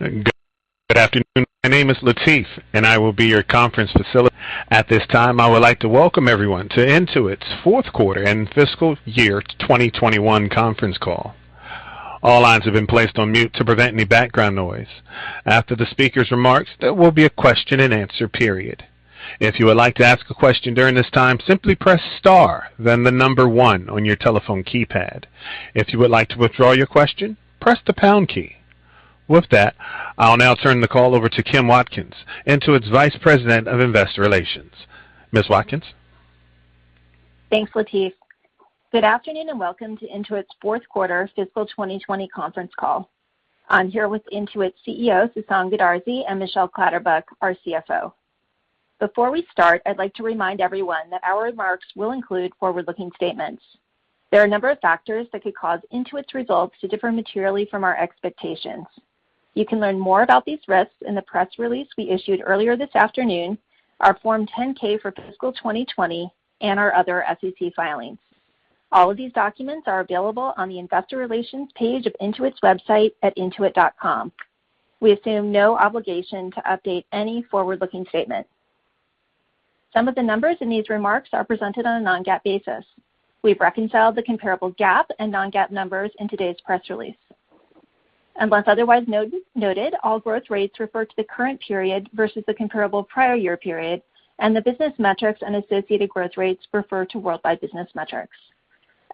Good afternoon. My name is Latif, and I will be your conference facility. At this time, I would like to welcome everyone to Intuit's Fourth Quarter and Fiscal Year 2021 Conference Call. All lines have been placed on mute to prevent any background noise. After the speaker's remarks, there will be a question and answer period. If you would like to ask a question during this time, simply press star, then the number one on your telephone keypad. If you would like to withdraw your question, press the pound key. With that, I'll now turn the call over to Kim Watkins, Intuit's Vice President of Investor Relations. Ms. Watkins? Thanks, Latif. Good afternoon, and welcome to Intuit's Fourth Quarter Fiscal 2020 Conference Call. I'm here with Intuit's CEO, Sasan Goodarzi, and Michelle Clatterbuck, our CFO. Before we start, I'd like to remind everyone that our remarks will include forward-looking statements. There are a number of factors that could cause Intuit's results to differ materially from our expectations. You can learn more about these risks in the press release we issued earlier this afternoon, our Form 10-K for fiscal 2020, and our other SEC filings. All of these documents are available on the investor relations page of Intuit's website at intuit.com. We assume no obligation to update any forward-looking statement. Some of the numbers in these remarks are presented on a non-GAAP basis. We've reconciled the comparable GAAP and non-GAAP numbers in today's press release. Unless otherwise noted, all growth rates refer to the current period versus the comparable prior year period, and the business metrics and associated growth rates refer to worldwide business metrics.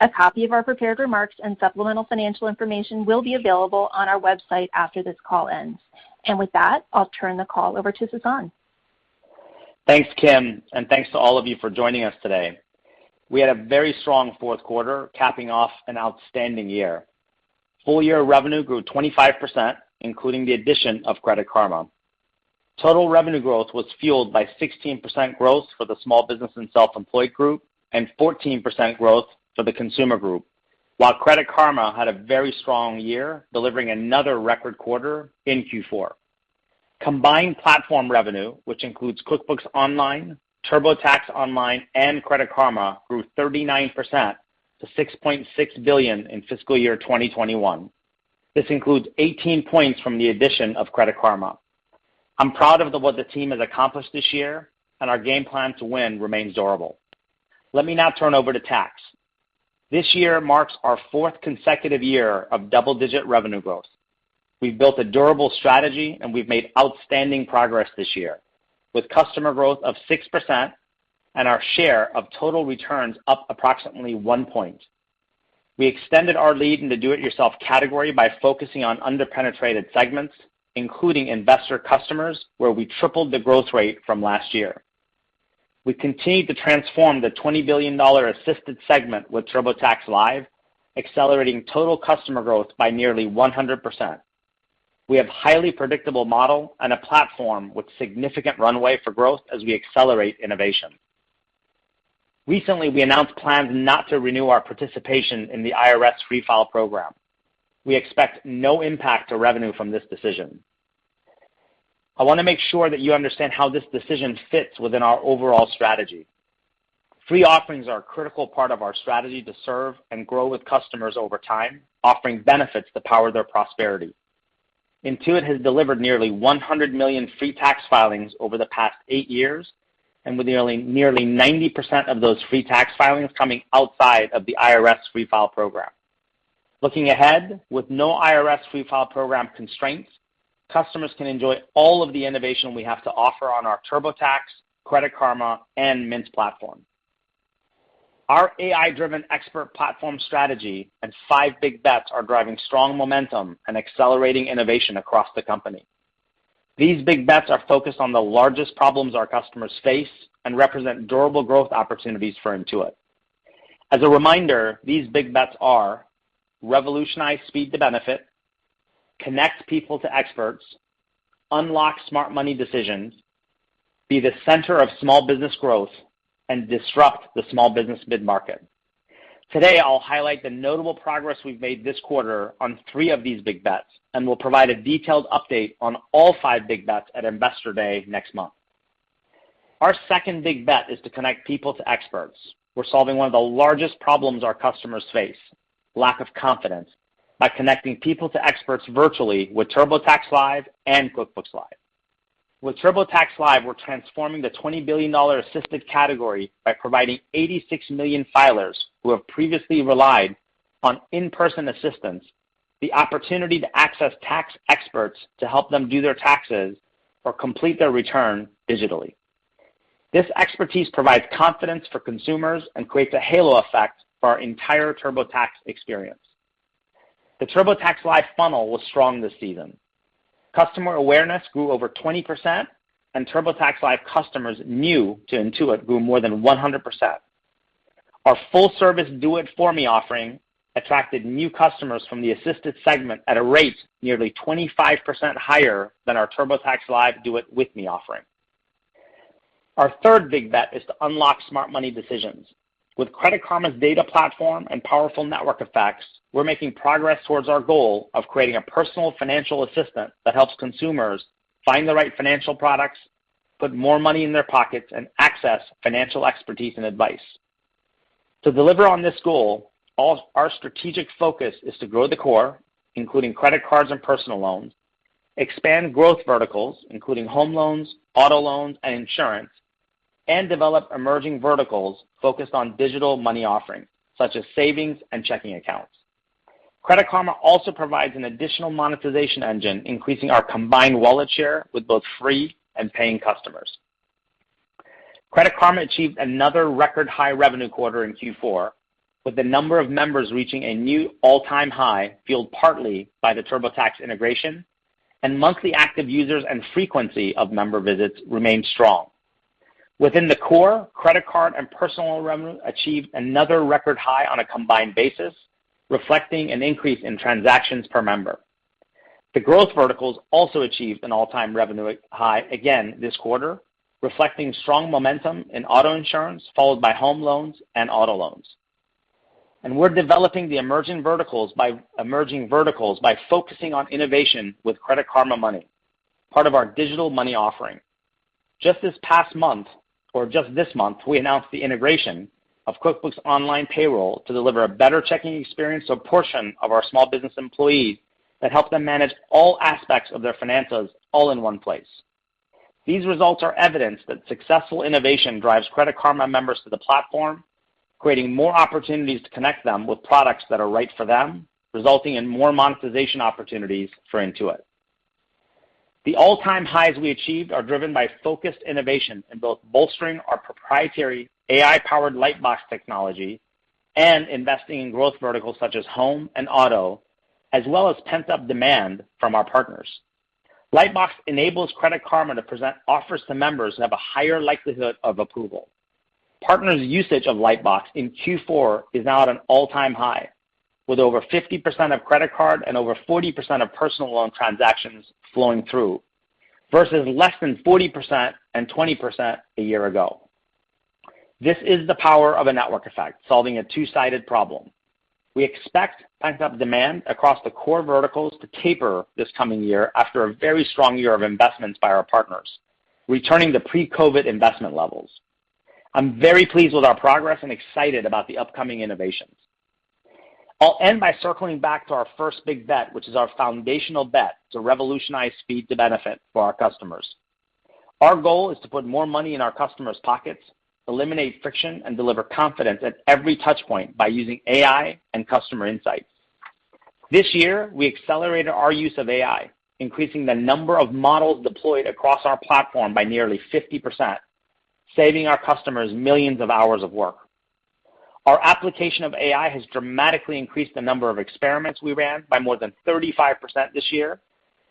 A copy of our prepared remarks and supplemental financial information will be available on our website after this call ends. With that, I'll turn the call over to Sasan. Thanks, Kim, and thanks to all of you for joining us today. We had a very strong fourth quarter, capping off an outstanding year. Full year revenue grew 25%, including the addition of Credit Karma. Total revenue growth was fueled by 16% growth for the small business and self-employed group and 14% growth for the consumer group. While Credit Karma had a very strong year, delivering another record quarter in Q4. Combined platform revenue, which includes QuickBooks Online, TurboTax Online, and Credit Karma, grew 39% to $6.6 billion in fiscal year 2021. This includes 18 points from the addition of Credit Karma. I'm proud of what the team has accomplished this year, and our game plan to win remains durable. Let me now turn over to tax. This year marks our fourth consecutive year of double-digit revenue growth. We've built a durable strategy, and we've made outstanding progress this year, with customer growth of 6% and our share of total returns up approximately one point. We extended our lead in the do it yourself category by focusing on under-penetrated segments, including investor customers, where we tripled the growth rate from last year. We continued to transform the $20 billion assisted segment with TurboTax Live, accelerating total customer growth by nearly 100%. We have a highly predictable model and a platform with significant runway for growth as we accelerate innovation. Recently, we announced plans not to renew our participation in the IRS Free File program. We expect no impact to revenue from this decision. I want to make sure that you understand how this decision fits within our overall strategy. Free offerings are a critical part of our strategy to serve and grow with customers over time, offering benefits that power their prosperity. Intuit has delivered nearly 100 million free tax filings over the past eight years, and with nearly 90% of those free tax filings coming outside of the IRS Free File program. Looking ahead, with no IRS Free File program constraints, customers can enjoy all of the innovation we have to offer on our TurboTax, Credit Karma, and Mint platform. Our AI-driven expert platform strategy and five big bets are driving strong momentum and accelerating innovation across the company. These big bets are focused on the largest problems our customers face and represent durable growth opportunities for Intuit. As a reminder, these big bets are revolutionize speed to benefit, connect people to experts, unlock smart money decisions, be the center of small business growth, and disrupt the small business mid-market. Today, I'll highlight the notable progress we've made this quarter on three of these big bets, and we'll provide a detailed update on all five big bets at Investor Day next month. Our second big bet is to connect people to experts. We're solving one of the largest problems our customers face, lack of confidence, by connecting people to experts virtually with TurboTax Live and QuickBooks Live. With TurboTax Live, we're transforming the $20 billion assisted category by providing 86 million filers who have previously relied on in-person assistance the opportunity to access tax experts to help them do their taxes or complete their return digitally. This expertise provides confidence for consumers and creates a halo effect for our entire TurboTax experience. The TurboTax Live funnel was strong this season. Customer awareness grew over 20%, and TurboTax Live customers new to Intuit grew more than 100%. Our full service Do It For Me offering attracted new customers from the assisted segment at a rate nearly 25% higher than our TurboTax Live Do It With Me offering. Our third big bet is to unlock smart money decisions. With Credit Karma's data platform and powerful network effects, we're making progress towards our goal of creating a personal financial assistant that helps consumers find the right financial products, put more money in their pockets, and access financial expertise and advice. To deliver on this goal, our strategic focus is to grow the core, including credit cards and personal loans, expand growth verticals, including home loans, auto loans, and insurance, and develop emerging verticals focused on digital money offerings, such as savings and checking accounts. Credit Karma also provides an additional monetization engine, increasing our combined wallet share with both free and paying customers. Credit Karma achieved another record high revenue quarter in Q4, with the number of members reaching a new all-time high, fueled partly by the TurboTax integration, and monthly active users and frequency of member visits remained strong. Within the core, credit card and personal loan revenue achieved another record high on a combined basis, reflecting an increase in transactions per member. The growth verticals also achieved an all-time revenue high again this quarter, reflecting strong momentum in auto insurance, followed by home loans and auto loans. We're developing the emerging verticals by focusing on innovation with Credit Karma Money, part of our digital money offering. Just this month, we announced the integration of QuickBooks Online Payroll to deliver a better checking experience to a portion of our small business employees that help them manage all aspects of their finances all in one place. These results are evidence that successful innovation drives Credit Karma members to the platform, creating more opportunities to connect them with products that are right for them, resulting in more monetization opportunities for Intuit. The all-time highs we achieved are driven by focused innovation in both bolstering our proprietary AI-powered Lightbox technology and investing in growth verticals such as home and auto, as well as pent-up demand from our partners. Lightbox enables Credit Karma to present offers to members that have a higher likelihood of approval. Partners' usage of Lightbox in Q4 is now at an all-time high, with over 50% of credit card and over 40% of personal loan transactions flowing through, versus less than 40% and 20% a year ago. This is the power of a network effect, solving a two-sided problem. We expect pent-up demand across the core verticals to taper this coming year after a very strong year of investments by our partners, returning to pre-COVID investment levels. I'm very pleased with our progress and excited about the upcoming innovations. I'll end by circling back to our first big bet, which is our foundational bet to revolutionize speed to benefit for our customers. Our goal is to put more money in our customers' pockets, eliminate friction, and deliver confidence at every touch point by using AI and customer insights. This year, we accelerated our use of AI, increasing the number of models deployed across our platform by nearly 50%, saving our customers millions of hours of work. Our application of AI has dramatically increased the number of experiments we ran by more than 35% this year,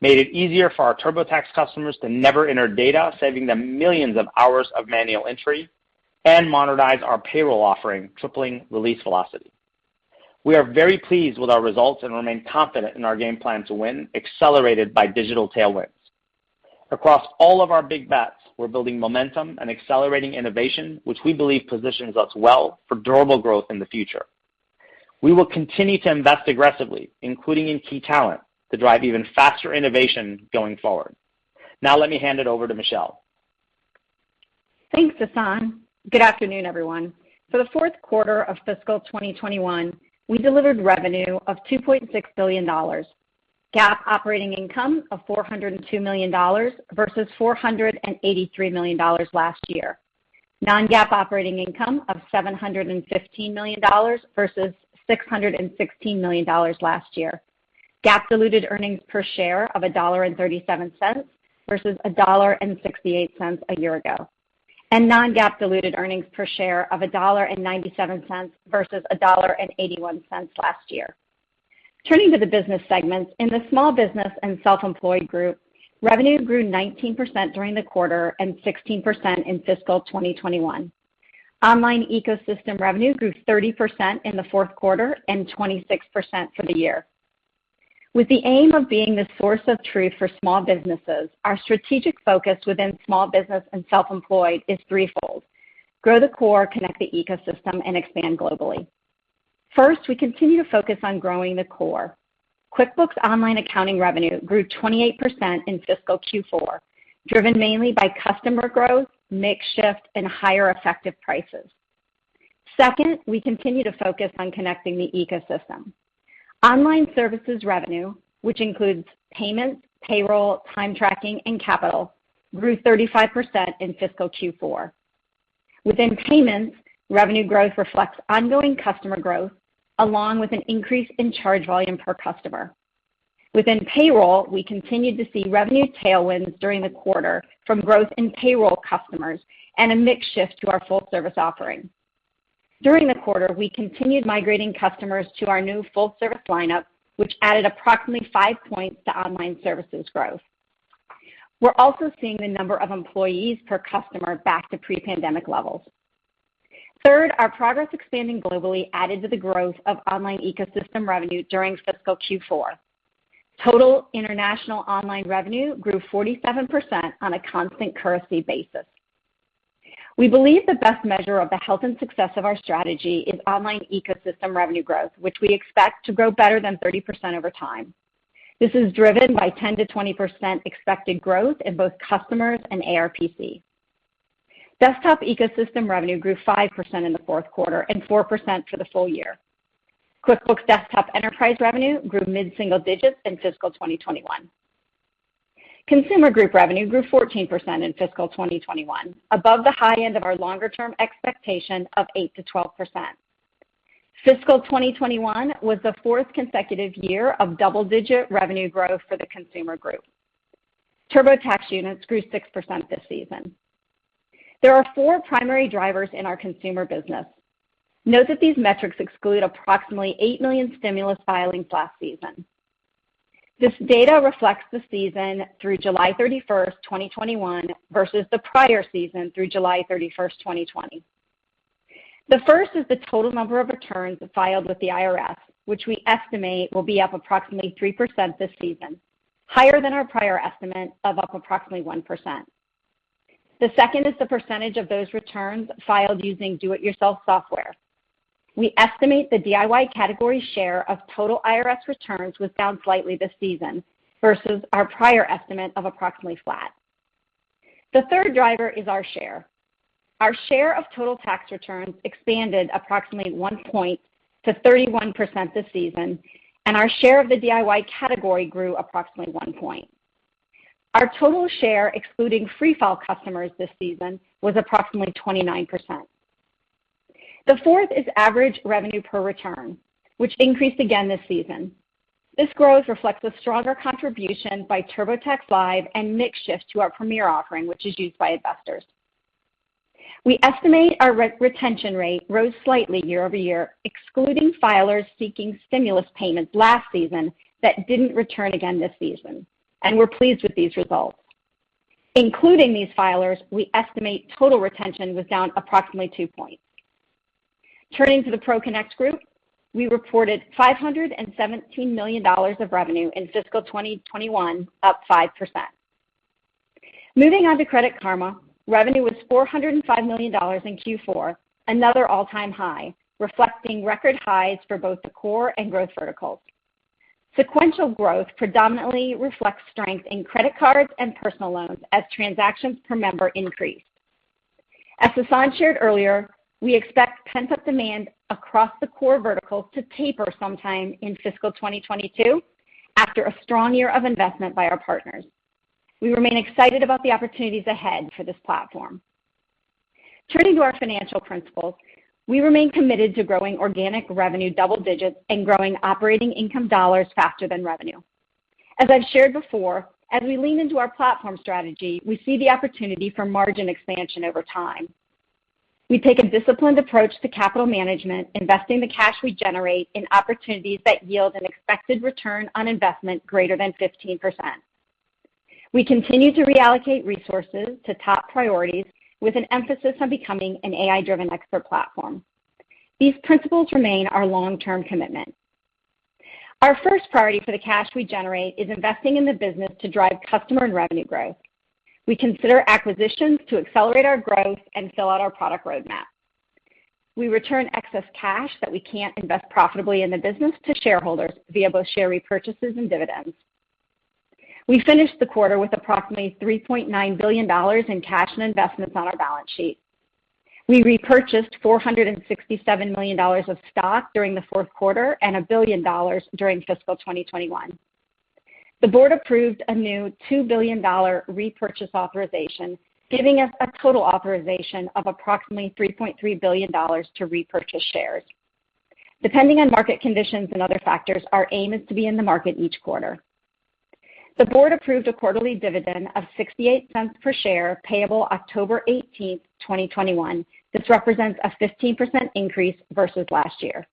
made it easier for our TurboTax customers to never enter data, saving them millions of hours of manual entry, and modernize our payroll offering, tripling release velocity. We are very pleased with our results and remain confident in our game plan to win, accelerated by digital tailwinds. Across all of our big bets, we're building momentum and accelerating innovation, which we believe positions us well for durable growth in the future. We will continue to invest aggressively, including in key talent, to drive even faster innovation going forward. Now let me hand it over to Michelle. Thanks, Sasan. Good afternoon, everyone. For the fourth quarter of fiscal 2021, we delivered revenue of $2.6 billion, GAAP operating income of $402 million versus $483 million last year, non-GAAP operating income of $715 million versus $616 million last year, GAAP diluted earnings per share of $1.37 versus $1.68 a year ago, and non-GAAP diluted earnings per share of $1.97 versus $1.81 last year. Turning to the business segments, in the Small Business and Self-Employed Group, revenue grew 19% during the quarter and 16% in fiscal 2021. Online Ecosystem revenue grew 30% in the fourth quarter and 26% for the year. With the aim of being the source of truth for small businesses, our strategic focus within Small Business and Self-Employed is threefold. Grow the core, connect the ecosystem, and expand globally. First, we continue to focus on growing the core. QuickBooks Online accounting revenue grew 28% in fiscal Q4, driven mainly by customer growth, mix shift, and higher effective prices. Second, we continue to focus on connecting the ecosystem. Online services revenue, which includes payments, payroll, time tracking, and capital, grew 35% in fiscal Q4. Within payments, revenue growth reflects ongoing customer growth, along with an increase in charge volume per customer. Within payroll, we continued to see revenue tailwinds during the quarter from growth in payroll customers and a mix shift to our full service offering. During the quarter, we continued migrating customers to our new full service lineup, which added approximately five points to online services growth. We're also seeing the number of employees per customer back to pre-pandemic levels. Third, our progress expanding globally added to the growth of online ecosystem revenue during fiscal Q4. Total international online revenue grew 47% on a constant currency basis. We believe the best measure of the health and success of our strategy is online ecosystem revenue growth, which we expect to grow better than 30% over time. This is driven by 10%-20% expected growth in both customers and ARPC. Desktop ecosystem revenue grew 5% in the fourth quarter, and 4% for the full year. QuickBooks Desktop Enterprise revenue grew mid-single digits in fiscal 2021. Consumer group revenue grew 14% in fiscal 2021, above the high end of our longer-term expectation of 8%-12%. Fiscal 2021 was the fourth consecutive year of double-digit revenue growth for the consumer group. TurboTax units grew 6% this season. There are four primary drivers in our consumer business. Note that these metrics exclude approximately eight million stimulus filings last season. This data reflects the season through July 31st, 2021 versus the prior season through July 31st, 2020. The first is the total number of returns filed with the IRS, which we estimate will be up approximately 3% this season, higher than our prior estimate of up approximately 1%. The second is the percentage of those returns filed using do it yourself software. We estimate the DIY category share of total IRS returns was down slightly this season versus our prior estimate of approximately flat. The third driver is our share. Our share of total tax returns expanded approximately one point to 31% this season, and our share of the DIY category grew approximately one point. Our total share, excluding Free File customers this season, was approximately 29%. The fourth is average revenue per return, which increased again this season. This growth reflects a stronger contribution by TurboTax Live and mix shift to our Premier offering, which is used by investors. We estimate our retention rate rose slightly year-over-year, excluding filers seeking stimulus payments last season that didn't return again this season, and we're pleased with these results. Including these filers, we estimate total retention was down approximately two points. Turning to the ProConnect group, we reported $517 million of revenue in fiscal 2021, up 5%. Moving on to Credit Karma, revenue was $405 million in Q4, another all-time high, reflecting record highs for both the core and growth verticals. Sequential growth predominantly reflects strength in credit cards and personal loans as transactions per member increase. As Sasan shared earlier, we expect pent-up demand across the core verticals to taper sometime in fiscal 2022, after a strong year of investment by our partners. We remain excited about the opportunities ahead for this platform. Turning to our financial principles, we remain committed to growing organic revenue double digits and growing operating income dollars faster than revenue. As I've shared before, as we lean into our platform strategy, we see the opportunity for margin expansion over time. We take a disciplined approach to capital management, investing the cash we generate in opportunities that yield an expected return on investment greater than 15%. We continue to reallocate resources to top priorities, with an emphasis on becoming an AI-driven expert platform. These principles remain our long-term commitment. Our first priority for the cash we generate is investing in the business to drive customer and revenue growth. We consider acquisitions to accelerate our growth and fill out our product roadmap. We return excess cash that we can't invest profitably in the business to shareholders via both share repurchases and dividends. We finished the quarter with approximately $3.9 billion in cash and investments on our balance sheet. We repurchased $467 million of stock during the fourth quarter, and $1 billion during fiscal 2021. The board approved a new $2 billion repurchase authorization, giving us a total authorization of approximately $3.3 billion to repurchase shares. Depending on market conditions and other factors, our aim is to be in the market each quarter. The board approved a quarterly dividend of $0.68 per share, payable October 18th, 2021. This represents a 15% increase versus last year.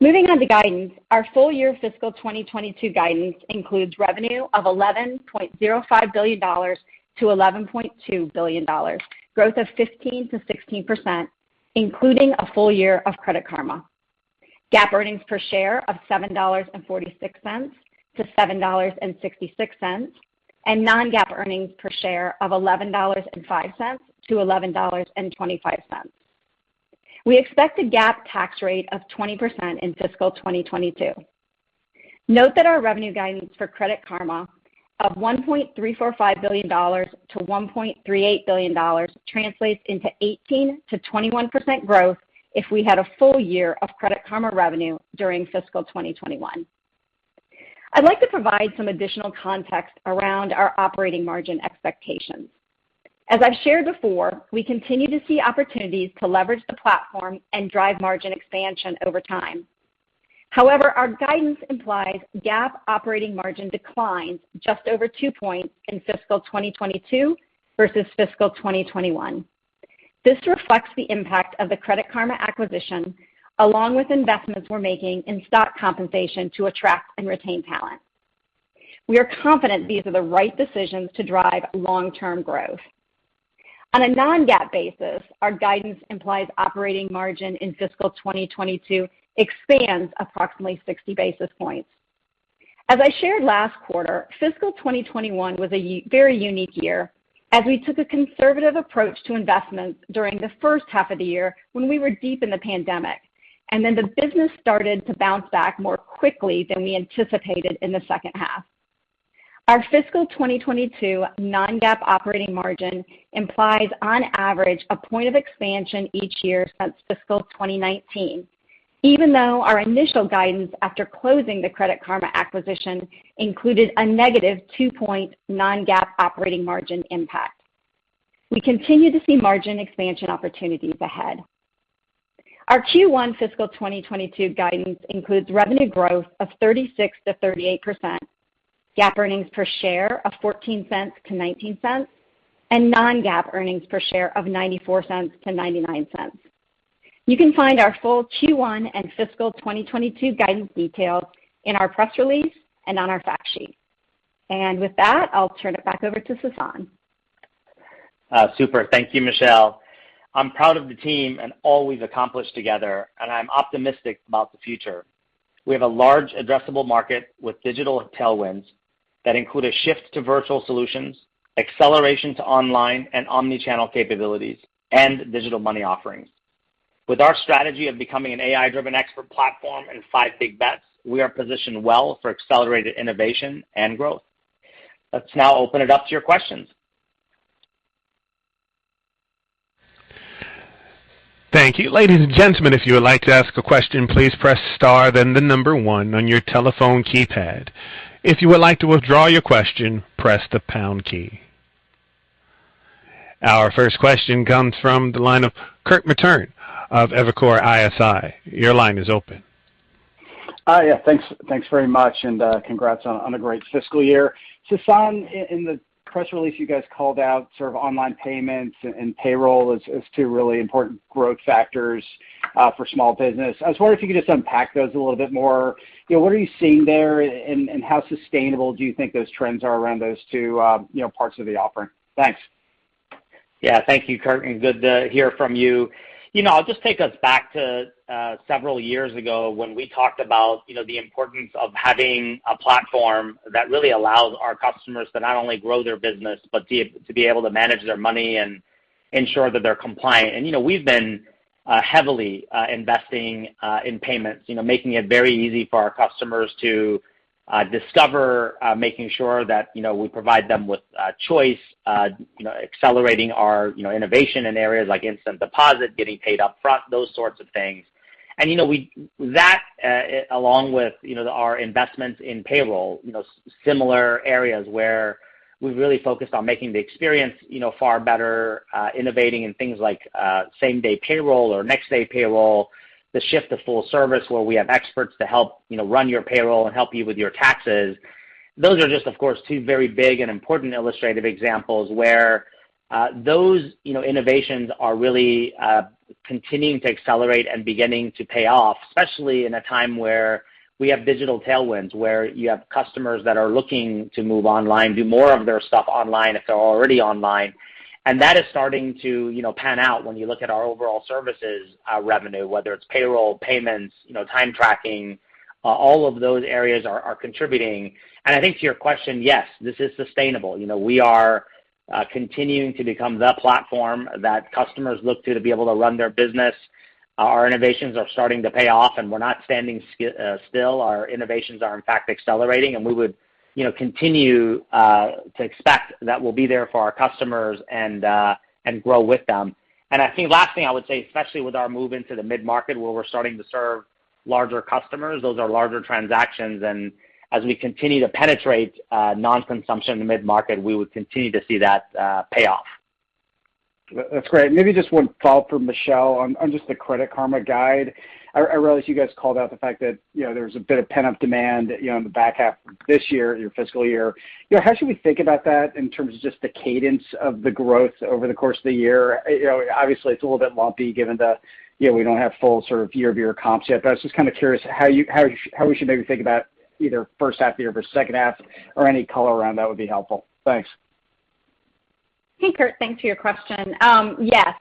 Moving on to guidance, our full year fiscal 2022 guidance includes revenue of $11.05 billion-$11.2 billion, growth of 15%-16%, including a full year of Credit Karma. GAAP earnings per share of $7.46-$7.66, non-GAAP earnings per share of $11.05-$11.25. We expect a GAAP tax rate of 20% in fiscal 2022. Note that our revenue guidance for Credit Karma of $1.345 billion to $1.38 billion translates into 18%-21% growth if we had a full year of Credit Karma revenue during fiscal 2021. I'd like to provide some additional context around our operating margin expectations. As I've shared before, we continue to see opportunities to leverage the platform and drive margin expansion over time. However, our guidance implies GAAP operating margin declines just over two points in fiscal 2022 versus fiscal 2021. This reflects the impact of the Credit Karma acquisition, along with investments we're making in stock compensation to attract and retain talent. We are confident these are the right decisions to drive long-term growth. On a non-GAAP basis, our guidance implies operating margin in fiscal 2022 expands approximately 60 basis points. As I shared last quarter, fiscal 2021 was a very unique year. We took a conservative approach to investment during the first half of the year when we were deep in the pandemic. The business started to bounce back more quickly than we anticipated in the second half. Our fiscal 2022 non-GAAP operating margin implies, on average, a point of expansion each year since fiscal 2019. Even though our initial guidance after closing the Credit Karma acquisition included a negative two-point non-GAAP operating margin impact. We continue to see margin expansion opportunities ahead. Our Q1 fiscal 2022 guidance includes revenue growth of 36%-38%, GAAP earnings per share of $0.14-$0.19. Non-GAAP earnings per share of $0.94-$0.99. You can find our full Q1 and fiscal 2022 guidance details in our press release and on our fact sheet. With that, I'll turn it back over to Sasan. Super. Thank you, Michelle. I'm proud of the team and all we've accomplished together, and I'm optimistic about the future. We have a large addressable market with digital tailwinds that include a shift to virtual solutions, acceleration to online and omni-channel capabilities, and digital money offerings. With our strategy of becoming an AI-driven expert platform and five big bets, we are positioned well for accelerated innovation and growth. Let's now open it up to your questions. Thank you. Ladies and gentlemen, if you would like to ask a question, please press star then the number one on your telephone keypad. If you would like to withdraw your question, press the pound key. Our first question comes from the line of Kirk Materne of Evercore ISI. Your line is open. Yeah. Thanks very much, and congrats on a great fiscal year. Sasan, in the press release, you guys called out online payments and payroll as two really important growth factors for small business. I was wondering if you could just unpack those a little bit more. What are you seeing there, and how sustainable do you think those trends are around those two parts of the offering? Thanks. Yeah. Thank you, Kirk, and good to hear from you. I'll just take us back to several years ago when we talked about the importance of having a platform that really allows our customers to not only grow their business but to be able to manage their money and ensure that they're compliant. We've been heavily investing in payments, making it very easy for our customers to discover, making sure that we provide them with choice, accelerating our innovation in areas like instant deposit, getting paid upfront, those sorts of things. That, along with our investments in payroll, similar areas where we've really focused on making the experience far better, innovating in things like same-day payroll or next-day payroll, the shift to full service, where we have experts to help run your payroll and help you with your taxes. Those are just, of course, two very big and important illustrative examples where those innovations are really continuing to accelerate and beginning to pay off, especially in a time where we have digital tailwinds, where you have customers that are looking to move online, do more of their stuff online if they're already online. That is starting to pan out when you look at our overall services revenue, whether it's payroll, payments, time tracking. All of those areas are contributing. I think to your question, yes, this is sustainable. We are continuing to become the platform that customers look to to be able to run their business. Our innovations are starting to pay off, and we're not standing still. Our innovations are, in fact, accelerating, and we would continue to expect that we'll be there for our customers and grow with them. I think last thing I would say, especially with our move into the mid-market, where we're starting to serve larger customers, those are larger transactions, and as we continue to penetrate non-consumption in the mid-market, we would continue to see that pay off. That's great. Maybe just one follow-up for Michelle on just the Credit Karma guide. I realize you guys called out the fact that there was a bit of pent-up demand in the back half of this year, your fiscal year. How should we think about that in terms of just the cadence of the growth over the course of the year? Obviously, it's a little bit lumpy given that we don't have full year-over-year comps yet, but I was just kind of curious how we should maybe think about either first half of the year versus second half or any color around that would be helpful. Thanks. Hey, Kurt. Thanks for your question. Yes.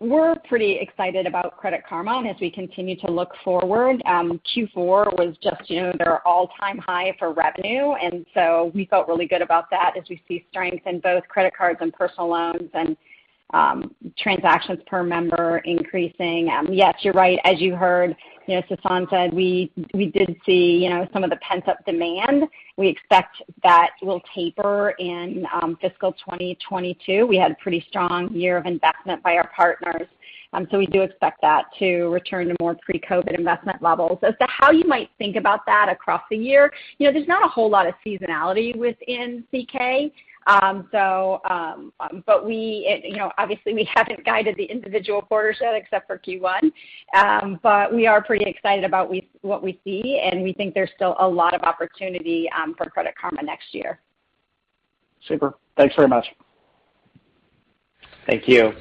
We're pretty excited about Credit Karma and as we continue to look forward. Q4 was just their all-time high for revenue, and so we felt really good about that as we see strength in both credit cards and personal loans and transactions per member increasing. Yes, you're right. As you heard Sasan said, we did see some of the pent-up demand. We expect that will taper in fiscal 2022. We had a pretty strong year of investment by our partners. We do expect that to return to more pre-COVID investment levels. As to how you might think about that across the year, there's not a whole lot of seasonality within CK. obviously, we haven't guided the individual quarters yet except for Q1. We are pretty excited about what we see, and we think there's still a lot of opportunity for Credit Karma next year. Super. Thanks very much. Thank you.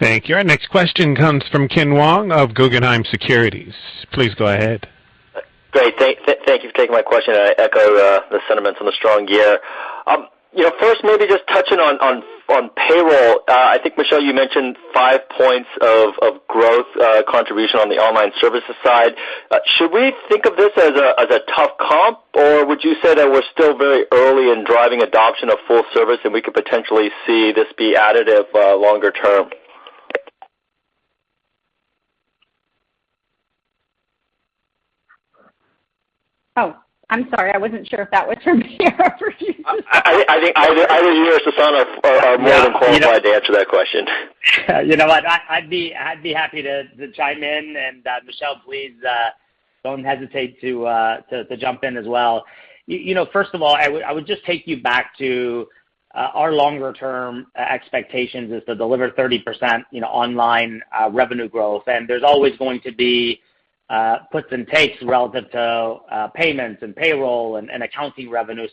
Thank you. Our next question comes from Ken Wong of Guggenheim Securities. Please go ahead. Great. Thank you for taking my question. I echo the sentiments on the strong year. First, maybe just touching on payroll, I think, Michelle, you mentioned five points of growth contribution on the online services side. Should we think of this as a tough comp, or would you say that we're still very early in driving adoption of full service, and we could potentially see this be additive longer term? Oh, I'm sorry. I wasn't sure if that was for me or for you, Sasan. I think either you or Sasan are more than qualified to answer that question. You know what? I'd be happy to chime in. Michelle, please don't hesitate to jump in as well. First of all, I would just take you back to our longer-term expectations is to deliver 30% online revenue growth. There's always going to be puts and takes relative to payments and payroll and accounting revenue.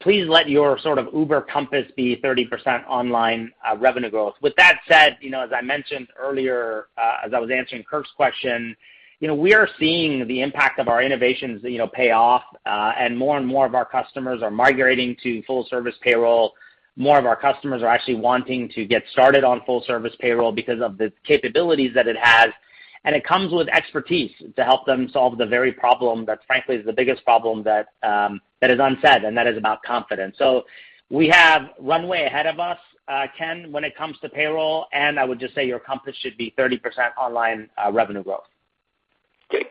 Please let your sort of Uber compass be 30% online revenue growth. With that said, as I mentioned earlier as I was answering Kirk's question, we are seeing the impact of our innovations pay off. More and more of our customers are migrating to full service payroll. More of our customers are actually wanting to get started on full service payroll because of the capabilities that it has, and it comes with expertise to help them solve the very problem that, frankly, is the biggest problem that is unsaid, and that is about confidence. We have runway ahead of us, Kenneth Wong, when it comes to payroll, and I would just say your compass should be 30% online revenue growth.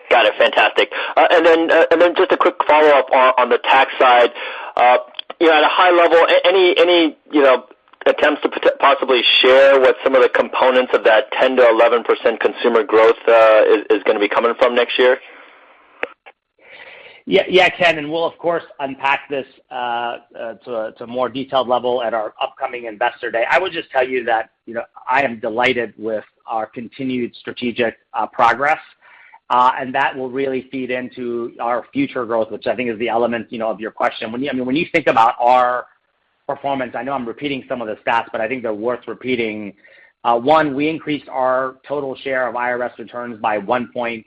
Got it. Fantastic. Just a quick follow-up on the tax side. At a high level, any attempts to possibly share what some of the components of that 10%-11% consumer growth is going to be coming from next year? Yeah, Ken, we'll of course unpack this to a more detailed level at our upcoming Investor Day. I would just tell you that I am delighted with our continued strategic progress. That will really feed into our future growth, which I think is the element of your question. When you think about our performance, I know I'm repeating some of the stats, but I think they're worth repeating. One, we increased our total share of IRS returns by one point.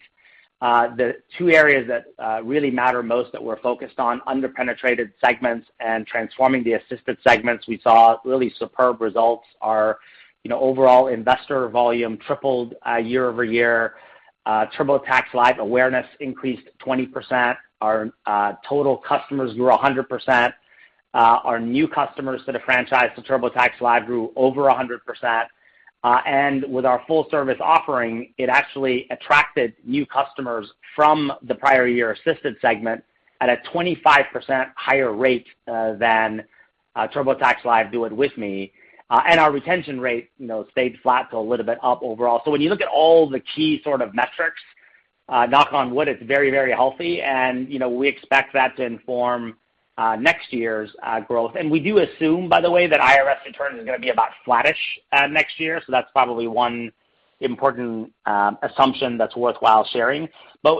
The two areas that really matter most that we're focused on, under-penetrated segments and transforming the assisted segments, we saw really superb results. Our overall investor volume tripled year-over-year. TurboTax Live awareness increased 20%. Our total customers grew 100%. Our new customers that have franchised to TurboTax Live grew over 100%. With our full service offering, it actually attracted new customers from the prior year assisted segment at a 25% higher rate than TurboTax Live Do It With Me. Our retention rate stayed flat to a little bit up overall. When you look at all the key sort of metrics, knock on wood, it's very healthy, and we expect that to inform next year's growth. We do assume, by the way, that IRS return is going to be about flattish next year, so that's probably one important assumption that's worthwhile sharing.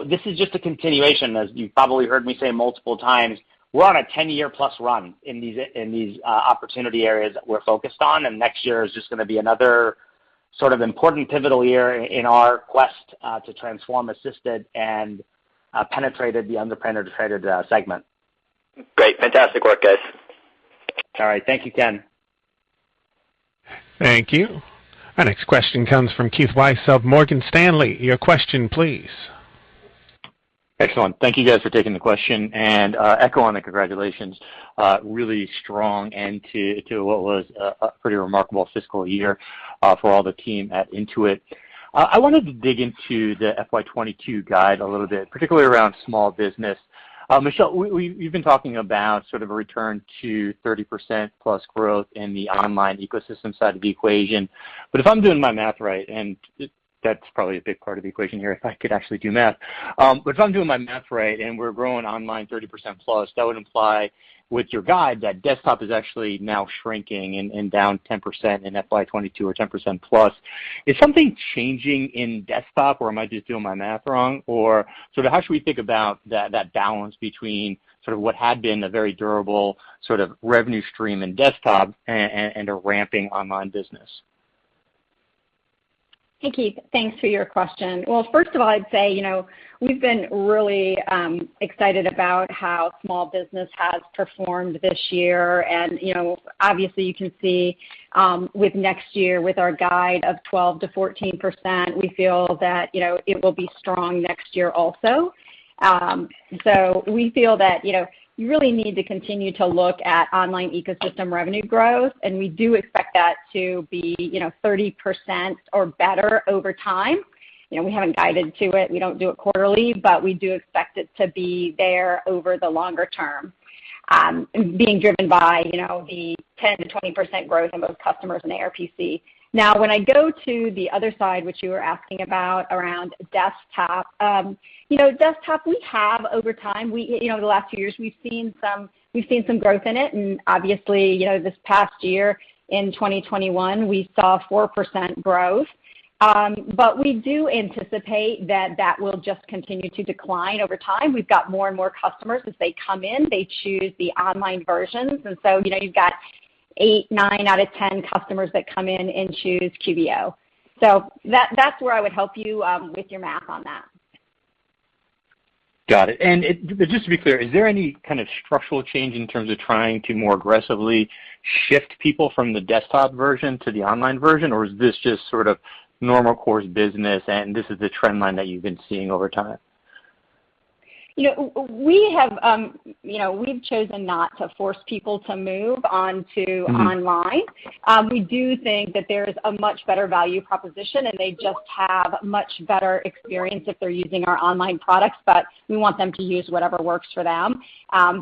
This is just a continuation, as you've probably heard me say multiple times. We're on a 10+ year run in these opportunity areas that we're focused on, and next year is just going to be another sort of important pivotal year in our quest to transform assisted and penetrate the under-penetrated segment. Great. Fantastic work, guys. All right. Thank you, Ken. Thank you. Our next question comes from Keith Weiss of Morgan Stanley. Your question, please. Excellent. Thank you guys for taking the question. Echo on the congratulations. Really strong end to what was a pretty remarkable fiscal year for all the team at Intuit. I wanted to dig into the FY 2022 guide a little bit, particularly around small business. Michelle, we've been talking about sort of a return to 30%+ growth in the online ecosystem side of the equation. If I'm doing my math right, and that's probably a big part of the equation here, if I could actually do math. If I'm doing my math right, and we're growing online 30%+, that would imply with your guide that desktop is actually now shrinking and down 10% in FY 2022 or 10%+. Is something changing in desktop, or am I just doing my math wrong? Sort of how should we think about that balance between sort of what had been a very durable sort of revenue stream in Desktop and a ramping Online business? Hey, Keith. Thanks for your question. Well, first of all, I'd say we've been really excited about how small business has performed this year. Obviously, you can see with next year with our guide of 12%-14%, we feel that it will be strong next year also. We feel that you really need to continue to look at online ecosystem revenue growth. We do expect that to be 30% or better over time. We haven't guided to it. We don't do it quarterly. We do expect it to be there over the longer term, being driven by the 10%-20% growth in both customers and ARPC. Now, when I go to the other side, which you were asking about around desktop. Desktop, we have over time, the last few years, we've seen some growth in it, and obviously this past year in 2021, we saw 4% growth. We do anticipate that that will just continue to decline over time. We've got more and more customers. As they come in, they choose the online versions. You've got eight, nine out of 10 customers that come in and choose QBO. That's where I would help you with your math on that. Got it. Just to be clear, is there any kind of structural change in terms of trying to more aggressively shift people from the desktop version to the online version, or is this just sort of normal course business and this is the trend line that you've been seeing over time? We've chosen not to force people to move onto online. We do think that there's a much better value proposition, and they just have much better experience if they're using our online products, but we want them to use whatever works for them.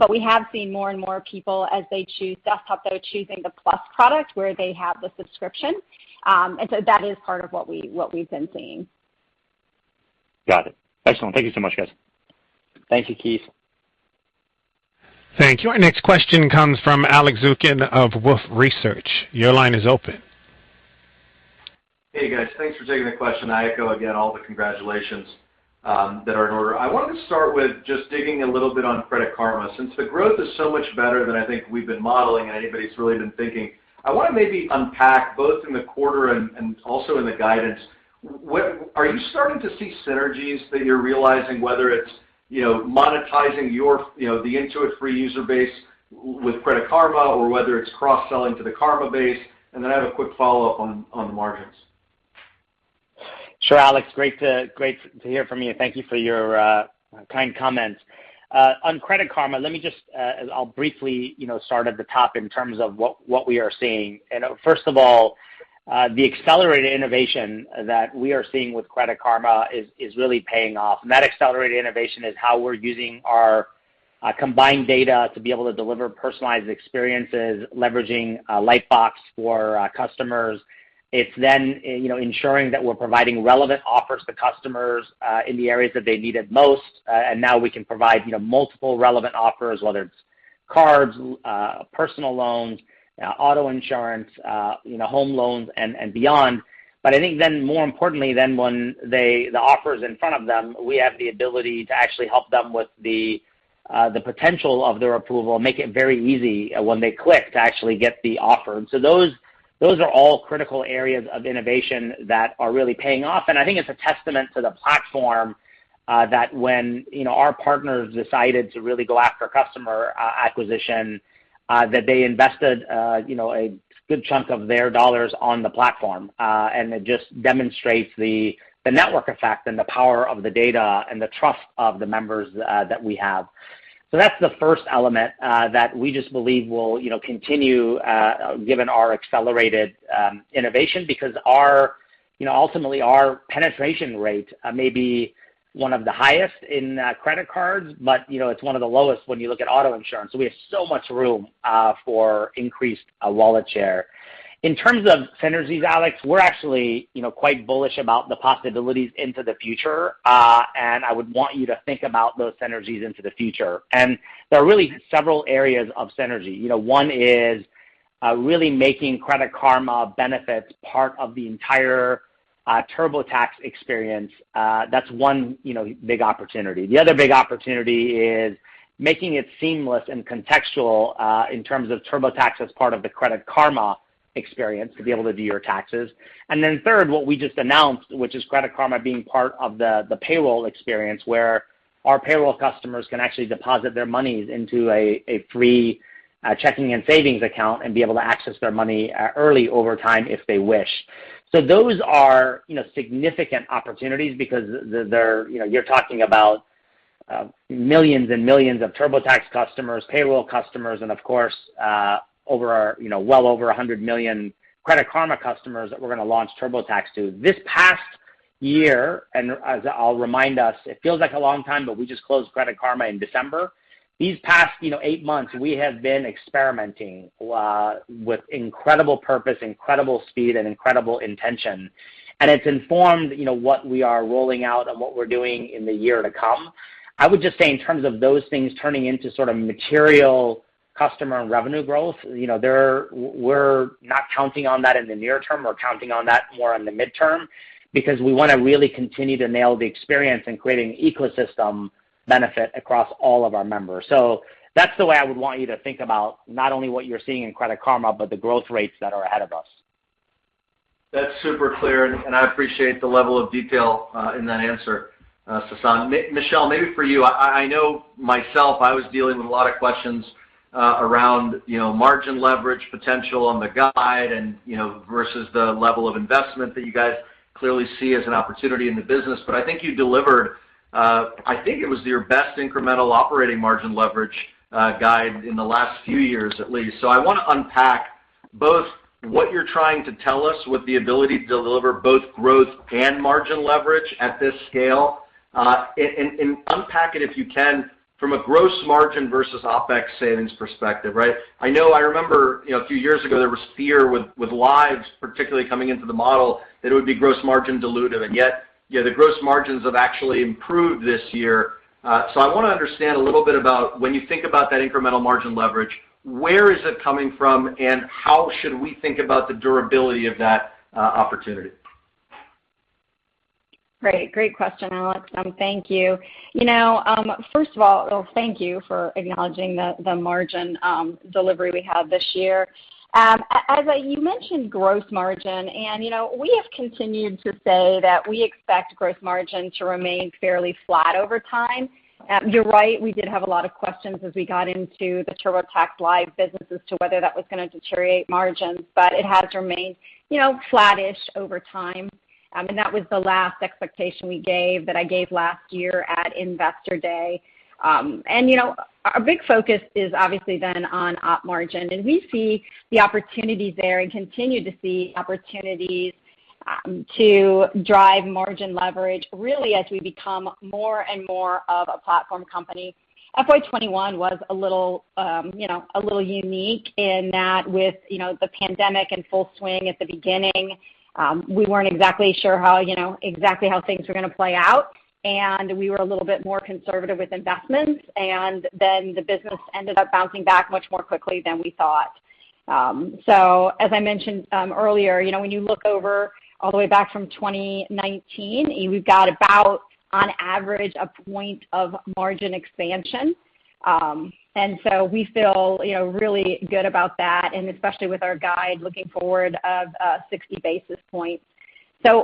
We have seen more and more people as they choose Desktop, though, choosing the Plus product where they have the subscription. That is part of what we've been seeing. Got it. Excellent. Thank you so much, guys. Thank you, Keith. Thank you. Our next question comes from Alex Zukin of Wolfe Research. Your line is open. Hey, guys. Thanks for taking the question. I echo again all the congratulations that are in order. I wanted to start with just digging a little bit on Credit Karma. Since the growth is so much better than I think we've been modeling, anybody's really been thinking, I want to maybe unpack both in the quarter and also in the guidance. Are you starting to see synergies that you're realizing, whether it's monetizing the Intuit free user base with Credit Karma, or whether it's cross-selling to the Karma base? Then I have a quick follow-up on the margins. Sure, Alex. Great to hear from you. Thank you for your kind comments. On Credit Karma, I'll briefly start at the top in terms of what we are seeing. First of all, the accelerated innovation that we are seeing with Credit Karma is really paying off. That accelerated innovation is how we're using our combined data to be able to deliver personalized experiences, leveraging Lightbox for customers. It's then ensuring that we're providing relevant offers to customers in the areas that they need it most. Now we can provide multiple relevant offers, whether it's cards, personal loans, auto insurance, home loans, and beyond. I think then more importantly than when the offer's in front of them, we have the ability to actually help them with the potential of their approval, make it very easy when they click to actually get the offer. Those are all critical areas of innovation that are really paying off. I think it's a testament to the platform that when our partners decided to really go after customer acquisition, that they invested a good chunk of their dollars on the platform. It just demonstrates the network effect and the power of the data and the trust of the members that we have. That's the first element that we just believe will continue given our accelerated innovation, because ultimately our penetration rate may be one of the highest in credit cards, but it's one of the lowest when you look at auto insurance. We have so much room for increased wallet share. In terms of synergies, Alex, we're actually quite bullish about the possibilities into the future. I would want you to think about those synergies into the future. There are really several areas of synergy. One is really making Credit Karma benefits part of the entire TurboTax experience. That's one big opportunity. The other big opportunity is making it seamless and contextual in terms of TurboTax as part of the Credit Karma experience to be able to do your taxes. Third, what we just announced, which is Credit Karma being part of the payroll experience where our payroll customers can actually deposit their monies into a free checking and savings account and be able to access their money early over time if they wish. Those are significant opportunities because you're talking about millions and millions of TurboTax customers, payroll customers, and of course well over 100 million Credit Karma customers that we're going to launch TurboTax to. This past year, as I'll remind us, it feels like a long time but we just closed Credit Karma in December. These past eight months we have been experimenting with incredible purpose, incredible speed, and incredible intention. It's informed what we are rolling out and what we're doing in the year to come. I would just say in terms of those things turning into sort of material customer and revenue growth, we're not counting on that in the near term. We're counting on that more in the midterm because we want to really continue to nail the experience in creating ecosystem benefit across all of our members. That's the way I would want you to think about not only what you're seeing in Credit Karma but the growth rates that are ahead of us. That's super clear, and I appreciate the level of detail in that answer, Sasan. Michelle, maybe for you, I know myself, I was dealing with a lot of questions around margin leverage potential on the guide versus the level of investment that you guys clearly see as an opportunity in the business. I think you delivered, I think it was your best incremental operating margin leverage guide in the last few years, at least. I want to unpack both what you're trying to tell us with the ability to deliver both growth and margin leverage at this scale, and unpack it if you can from a gross margin versus OpEx savings perspective, right? I know I remember a few years ago there was fear with Live particularly coming into the model that it would be gross margin dilutive, and yet the gross margins have actually improved this year. I want to understand a little bit about when you think about that incremental margin leverage, where is it coming from and how should we think about the durability of that opportunity? Great question, Alex. Thank you. First of all, thank you for acknowledging the margin delivery we have this year. You mentioned gross margin. We have continued to say that we expect gross margin to remain fairly flat over time. You're right, we did have a lot of questions as we got into the TurboTax Live business as to whether that was going to deteriorate margins, but it has remained flattish over time. That was the last expectation that I gave last year at Investor Day. Our big focus is obviously then on op margin. We see the opportunities there and continue to see opportunities to drive margin leverage, really as we become more and more of a platform company. FY 2021 was a little unique in that with the pandemic in full swing at the beginning, we weren't exactly sure how things were going to play out, and we were a little bit more conservative with investments. The business ended up bouncing back much more quickly than we thought. As I mentioned earlier, when you look over all the way back from 2019, we've got about, on average, a point of margin expansion. We feel really good about that, and especially with our guide looking forward of 60 basis points.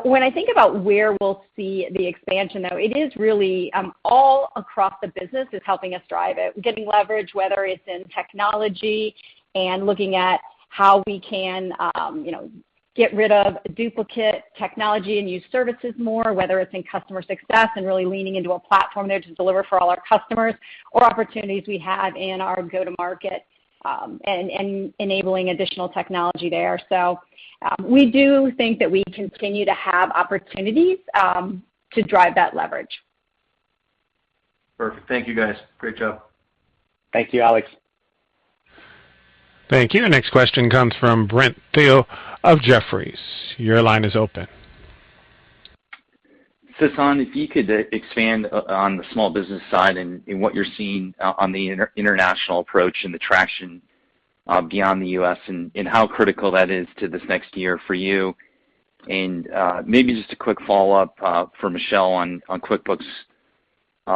When I think about where we'll see the expansion, though, it is really all across the business is helping us drive it, getting leverage, whether it's in technology and looking at how we can get rid of duplicate technology and use services more, whether it's in customer success and really leaning into a platform there to deliver for all our customers, or opportunities we have in our go-to-market and enabling additional technology there. We do think that we continue to have opportunities to drive that leverage. Perfect. Thank you, guys. Great job. Thank you, Alex. Thank you. Next question comes from Brent Thill of Jefferies. Your line is open. Sasan, if you could expand on the small business side and what you're seeing on the international approach and the traction beyond the U.S., and how critical that is to this next year for you. Maybe just a quick follow-up for Michelle on QuickBooks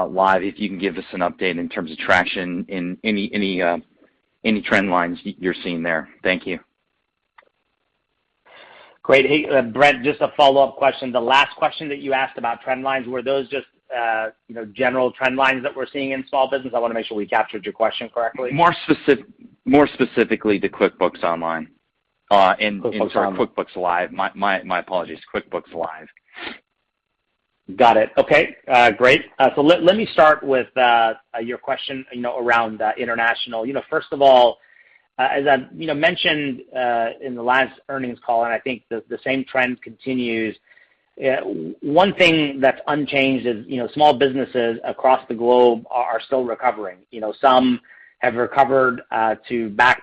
Live, if you can give us an update in terms of traction and any trend lines you're seeing there. Thank you. Great. Hey, Brent, just a follow-up question. The last question that you asked about trend lines, were those just general trend lines that we're seeing in small business? I want to make sure we captured your question correctly. More specifically to QuickBooks Online. QuickBooks Online. Sorry, QuickBooks Live. My apologies. QuickBooks Live. Got it. Okay, great. Let me start with your question around international. First of all, as I mentioned in the last earnings call, and I think the same trend continues, one thing that's unchanged is small businesses across the globe are still recovering. Some have recovered back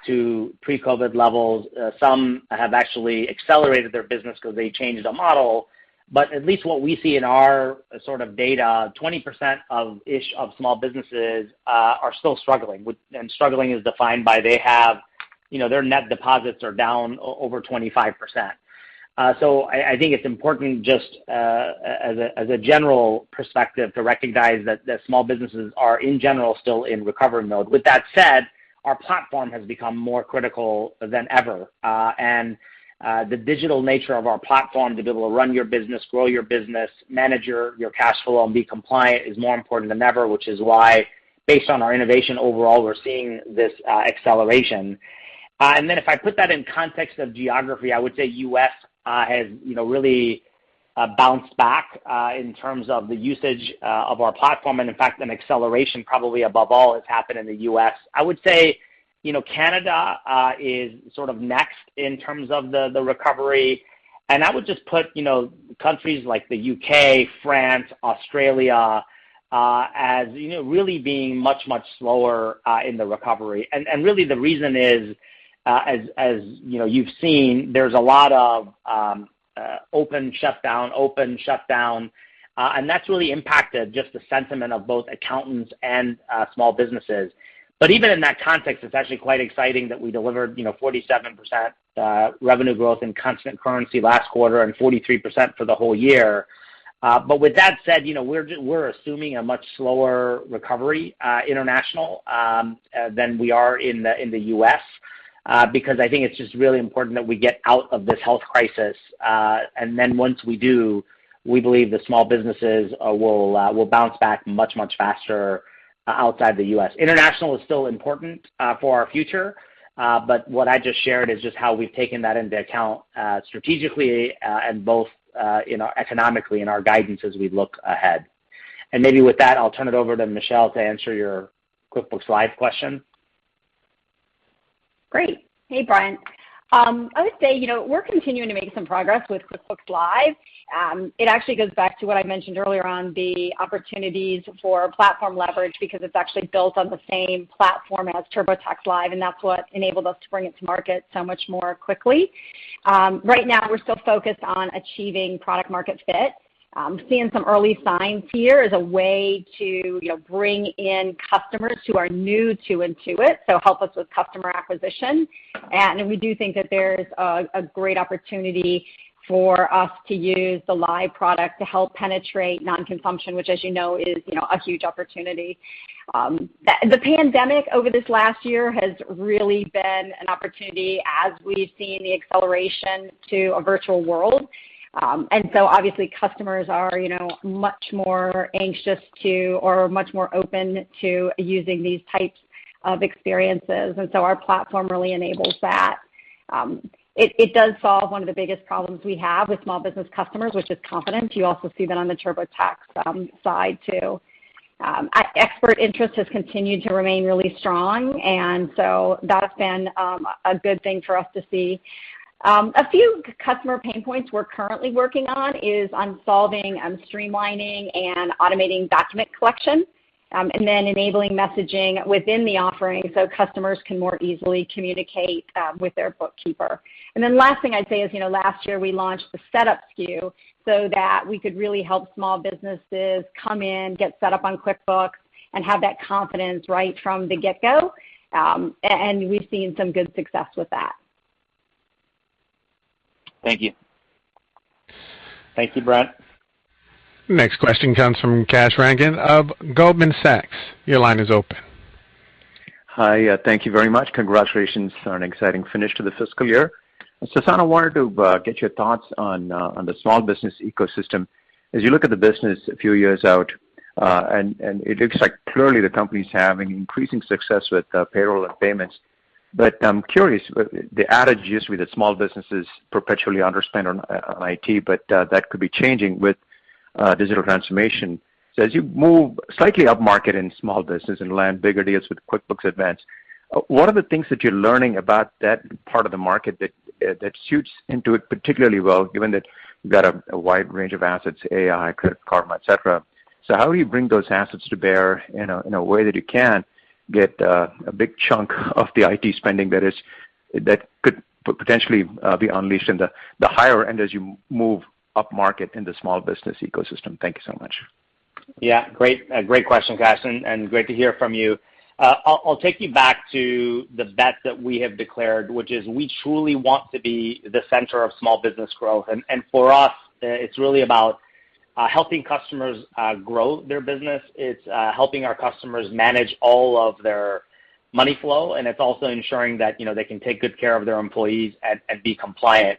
to pre-COVID levels. Some have actually accelerated their business because they changed the model. At least what we see in our data, 20%-ish of small businesses are still struggling. Struggling is defined by their net deposits are down over 25%. I think it's important just as a general perspective to recognize that small businesses are, in general, still in recovery mode. With that said, our platform has become more critical than ever. The digital nature of our platform to be able to run your business, grow your business, manage your cash flow, and be compliant is more important than ever, which is why, based on our innovation overall, we're seeing this acceleration. Then if I put that in context of geography, I would say U.S. has really bounced back in terms of the usage of our platform. In fact, an acceleration probably above all has happened in the U.S. I would say Canada is next in terms of the recovery. I would just put countries like the U.K., France, Australia as really being much, much slower in the recovery. Really the reason is, as you've seen, there's a lot of open, shut down, open, shut down. That's really impacted just the sentiment of both accountants and small businesses. Even in that context, it's actually quite exciting that we delivered 47% revenue growth in constant currency last quarter and 43% for the whole year. With that said, we're assuming a much slower recovery International than we are in the U.S. because I think it's just really important that we get out of this health crisis. Then once we do, we believe the small businesses will bounce back much, much faster outside the U.S. International is still important for our future. What I just shared is just how we've taken that into account strategically and both economically in our guidance as we look ahead. Maybe with that, I'll turn it over to Michelle to answer your QuickBooks Live question. Great. Hey, Brent. I would say we're continuing to make some progress with QuickBooks Live. It actually goes back to what I mentioned earlier on the opportunities for platform leverage because it's actually built on the same platform as TurboTax Live, and that's what enabled us to bring it to market so much more quickly. Right now, we're still focused on achieving product market fit. Seeing some early signs here as a way to bring in customers who are new to Intuit, so help us with customer acquisition. We do think that there's a great opportunity for us to use the Live product to help penetrate non-consumption, which, as you know, is a huge opportunity. The pandemic over this last year has really been an opportunity as we've seen the acceleration to a virtual world. Obviously, customers are much more anxious to or much more open to using these types of experiences, our platform really enables that. It does solve one of the biggest problems we have with small business customers, which is confidence. You also see that on the TurboTax side too. Expert interest has continued to remain really strong, that has been a good thing for us to see. A few customer pain points we're currently working on is on solving and streamlining and automating document collection, enabling messaging within the offering so customers can more easily communicate with their bookkeeper. Last thing I'd say is, last year, we launched the setup SKU so that we could really help small businesses come in, get set up on QuickBooks, and have that confidence right from the get-go. We've seen some good success with that. Thank you. Thank you, Brent. Next question comes from Kash Rangan of Goldman Sachs. Your line is open. Hi. Thank you very much. Congratulations on an exciting finish to the fiscal year. Sasan, I wanted to get your thoughts on the small business ecosystem. As you look at the business a few years out, it looks like clearly the company's having increasing success with payroll and payments. I'm curious, the adage used to be that small businesses perpetually underspend on IT, but that could be changing with digital transformation. As you move slightly up market in small business and land bigger deals with QuickBooks Advanced, what are the things that you're learning about that part of the market that suits Intuit particularly well, given that you've got a wide range of assets, AI, Credit Karma, et cetera. How will you bring those assets to bear in a way that you can get a big chunk of the IT spending that could potentially be unleashed in the higher end as you move up market in the small business ecosystem? Thank you so much. Yeah. Great question, Kash, and great to hear from you. I'll take you back to the bet that we have declared, which is we truly want to be the center of small business growth. For us, it's really about helping customers grow their business. It's helping our customers manage all of their money flow, and it's also ensuring that they can take good care of their employees and be compliant.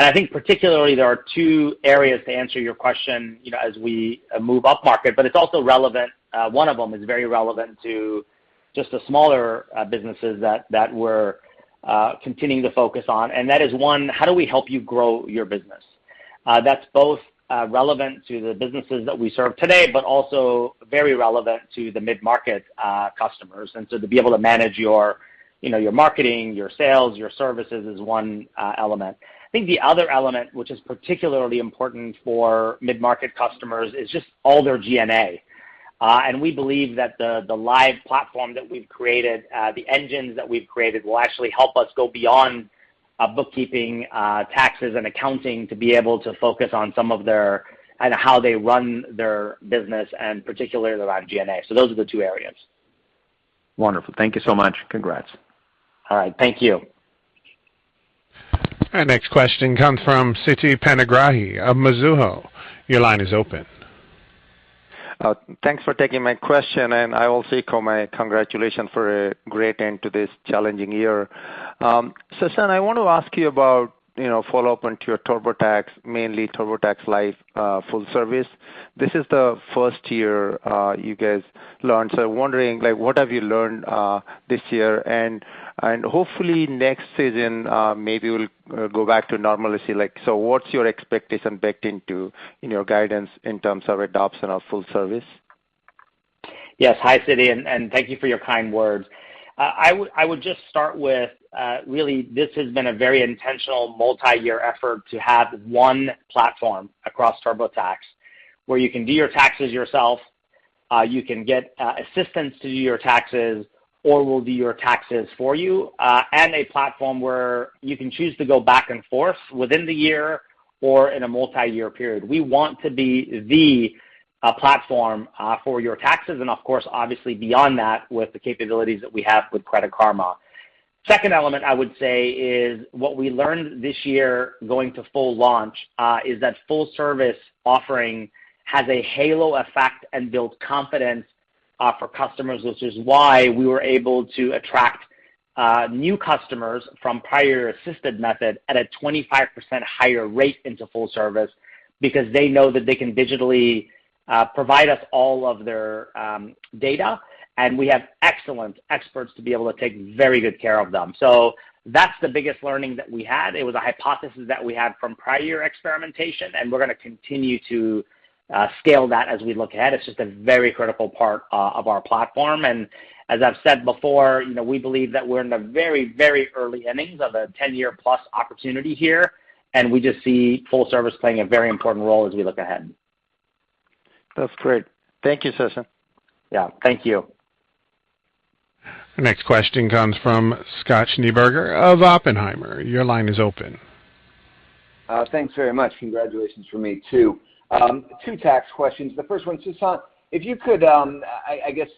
I think particularly there are two areas, to answer your question, as we move up market, but it's also relevant. One of them is very relevant to just the smaller businesses that we're continuing to focus on, and that is one, how do we help you grow your business? That's both relevant to the businesses that we serve today, but also very relevant to the mid-market customers. To be able to manage your marketing, your sales, your services is one element. I think the other element, which is particularly important for mid-market customers, is just all their G&A. We believe that the Live platform that we've created, the engines that we've created will actually help us go beyond bookkeeping, taxes, and accounting to be able to focus on some of their kind of how they run their business and particularly around G&A. Those are the two areas. Wonderful. Thank you so much. Congrats. All right. Thank you. Our next question comes from Siti Panigrahi of Mizuho. Your line is open. Thanks for taking my question. I also echo my congratulations for a great end to this challenging year. Sasan, I want to ask you about follow-up into your TurboTax, mainly TurboTax Live Full Service. This is the first year you guys launched, so wondering what have you learned this year? Hopefully next season, maybe we'll go back to normalcy. What's your expectation baked into in your guidance in terms of adoption of full service? Yes. Hi, Siti, and thank you for your kind words. I would just start with, really, this has been a very intentional multi-year effort to have one platform across TurboTax where you can do your taxes yourself, you can get assistance to do your taxes, or we'll do your taxes for you, and a platform where you can choose to go back and forth within the year or in a multi-year period. We want to be the platform for your taxes and of course, obviously beyond that with the capabilities that we have with Credit Karma. Second element I would say is what we learned this year going to full launch is that full service offering has a halo effect and builds confidence for customers, which is why we were able to attract new customers from prior assisted method at a 25% higher rate into full service because they know that they can digitally provide us all of their data, and we have excellent experts to be able to take very good care of them. That's the biggest learning that we had. It was a hypothesis that we had from prior experimentation, and we're going to continue to scale that as we look ahead. It's just a very critical part of our platform. As I've said before, we believe that we're in the very early innings of a 10+ year opportunity here, and we just see full service playing a very important role as we look ahead. That's great. Thank you, Sasan. Yeah. Thank you. Our next question comes from Scott Schneeberger of Oppenheimer. Your line is open. Thanks very much. Congratulations from me, too. Two tax questions. The first one, Sasan, if you could, I guess,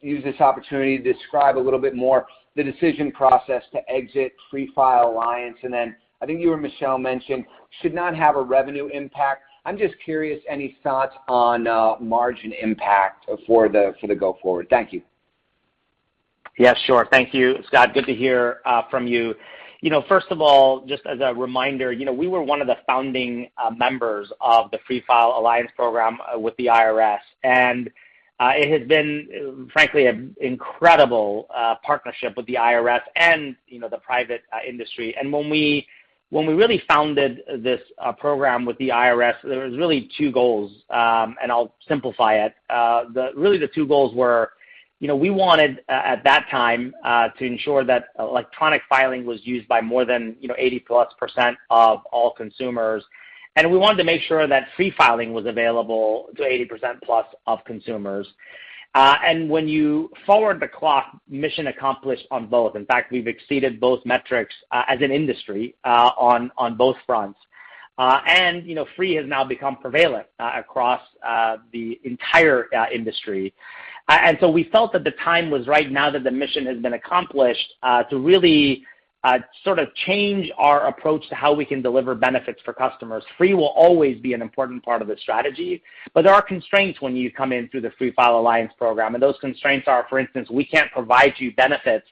use this opportunity to describe a little bit more the decision process to exit Free File Alliance, and then I think you or Michelle mentioned should not have a revenue impact. I'm just curious, any thoughts on margin impact for the go forward? Thank you. Yeah, sure. Thank you, Scott. Good to hear from you. First of all, just as a reminder, we were one of the founding members of the Free File Alliance program with the IRS. It has been, frankly, an incredible partnership with the IRS and the private industry. When we really founded this program with the IRS, there was really two goals. I'll simplify it. Really the two goals were, we wanted, at that time, to ensure that electronic filing was used by more than 80%+ of all consumers. We wanted to make sure that free filing was available to 80%+ of consumers. When you forward the clock, mission accomplished on both. In fact, we've exceeded both metrics as an industry on both fronts. Free has now become prevalent across the entire industry. We felt that the time was right now that the mission has been accomplished, to really sort of change our approach to how we can deliver benefits for customers. Free will always be an important part of the strategy, but there are constraints when you come in through the Free File Alliance program. Those constraints are, for instance, we can't provide you benefits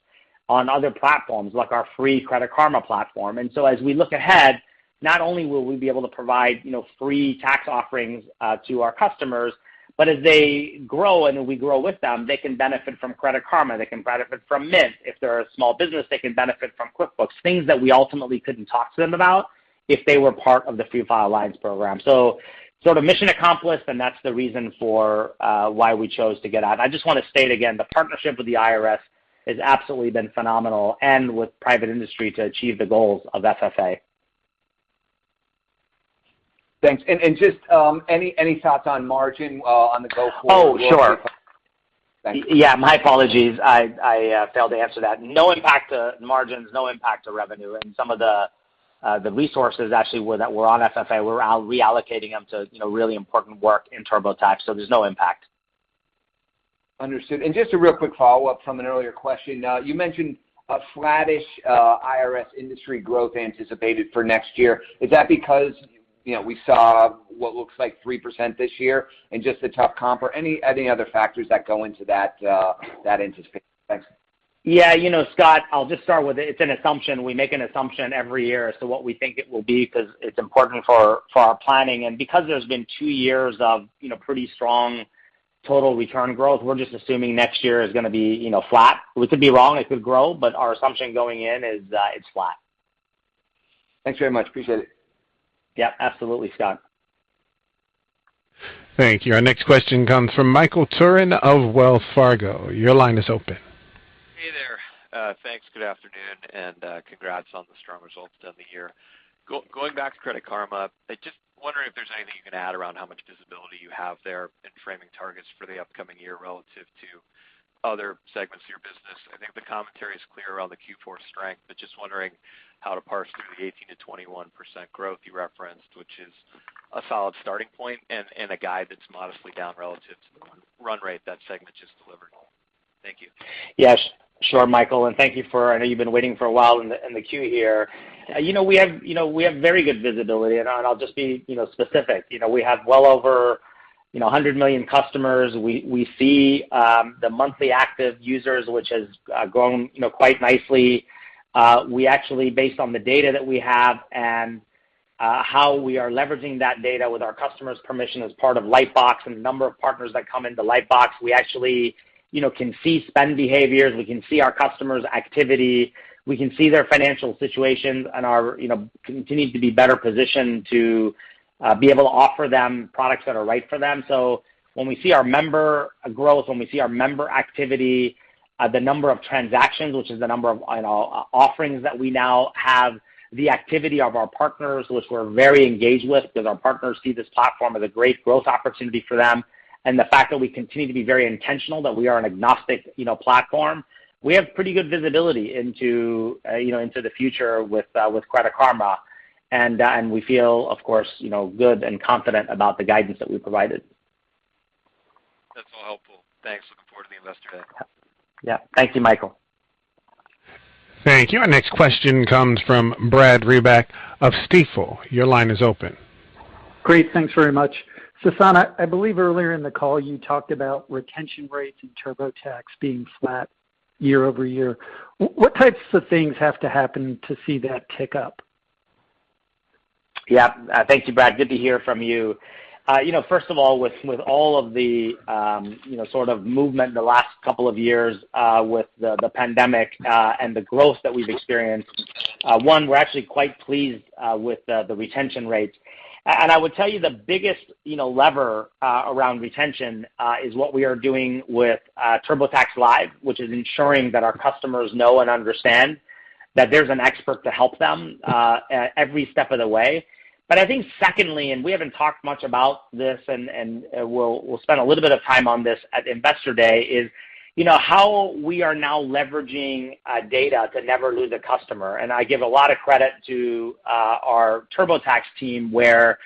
on other platforms like our free Credit Karma platform. As we look ahead, not only will we be able to provide free tax offerings to our customers, but as they grow and we grow with them, they can benefit from Credit Karma, they can benefit from Mint. If they're a small business, they can benefit from QuickBooks, things that we ultimately couldn't talk to them about if they were part of the Free File Alliance program. Sort of mission accomplished, and that's the reason for why we chose to get out. I just want to state again, the partnership with the IRS has absolutely been phenomenal and with private industry to achieve the goals of FFA. Thanks. Just any thoughts on margin on the go forward? Oh, sure. Thank you. My apologies. I failed to answer that. No impact to margins, no impact to revenue, and some of the resources actually that were on FFA, we're reallocating them to really important work in TurboTax, there's no impact. Understood. Just a real quick follow-up from an earlier question. You mentioned a flattish IRS industry growth anticipated for next year. Is that because we saw what looks like 3% this year and just a tough comp, or any other factors that go into that anticipation? Thanks. Yeah, Scott, I'll just start with it's an assumption. We make an assumption every year as to what we think it will be because it's important for our planning. Because there's been two years of pretty strong total return growth, we're just assuming next year is going to be flat. We could be wrong, it could grow, but our assumption going in is it's flat. Thanks very much. Appreciate it. Yeah, absolutely, Scott. Thank you. Our next question comes from Michael Turrin of Wells Fargo. Your line is open. Hey there. Thanks. Good afternoon, congrats on the strong results end of the year. Going back to Credit Karma, I just wondering if there's anything you can add around how much visibility you have there in framing targets for the upcoming year relative to other segments of your business. I think the commentary is clear around the Q4 strength, just wondering how to parse through the 18%-21% growth you referenced, which is a solid starting point and a guide that's modestly down relative to the run rate that segment just delivered. Thank you. Yes. Sure, Michael, thank you for I know you've been waiting for a while in the queue here. We have very good visibility. I'll just be specific. We have well over 100 million customers. We see the monthly active users, which has grown quite nicely. We actually, based on the data that we have and how we are leveraging that data with our customers' permission as part of Lightbox and the number of partners that come into Lightbox, we actually can see spend behaviors, we can see our customers' activity, we can see their financial situations and continue to be better positioned to be able to offer them products that are right for them. When we see our member growth, when we see our member activity, the number of transactions, which is the number of offerings that we now have, the activity of our partners, which we're very engaged with because our partners see this platform as a great growth opportunity for them, and the fact that we continue to be very intentional, that we are an agnostic platform, we have pretty good visibility into the future with Credit Karma. We feel, of course, good and confident about the guidance that we provided. That's all helpful. Thanks. Looking forward to the Investor Day. Yeah. Thank you, Michael. Thank you. Our next question comes from Brad Reback of Stifel. Your line is open. Great. Thanks very much. Sasan, I believe earlier in the call you talked about retention rates in TurboTax being flat year-over-year. What types of things have to happen to see that tick up? Yeah. Thank you, Brad. Good to hear from you. First of all, with all of the sort of movement in the last couple of years with the pandemic and the growth that we've experienced, one, we're actually quite pleased with the retention rates. I would tell you the biggest lever around retention is what we are doing with TurboTax Live, which is ensuring that our customers know and understand that there's an expert to help them every step of the way. I think secondly, and we haven't talked much about this, and we'll spend a little bit of time on this at Investor Day, is how we are now leveraging data to never lose a customer. I give a lot of credit to our TurboTax team where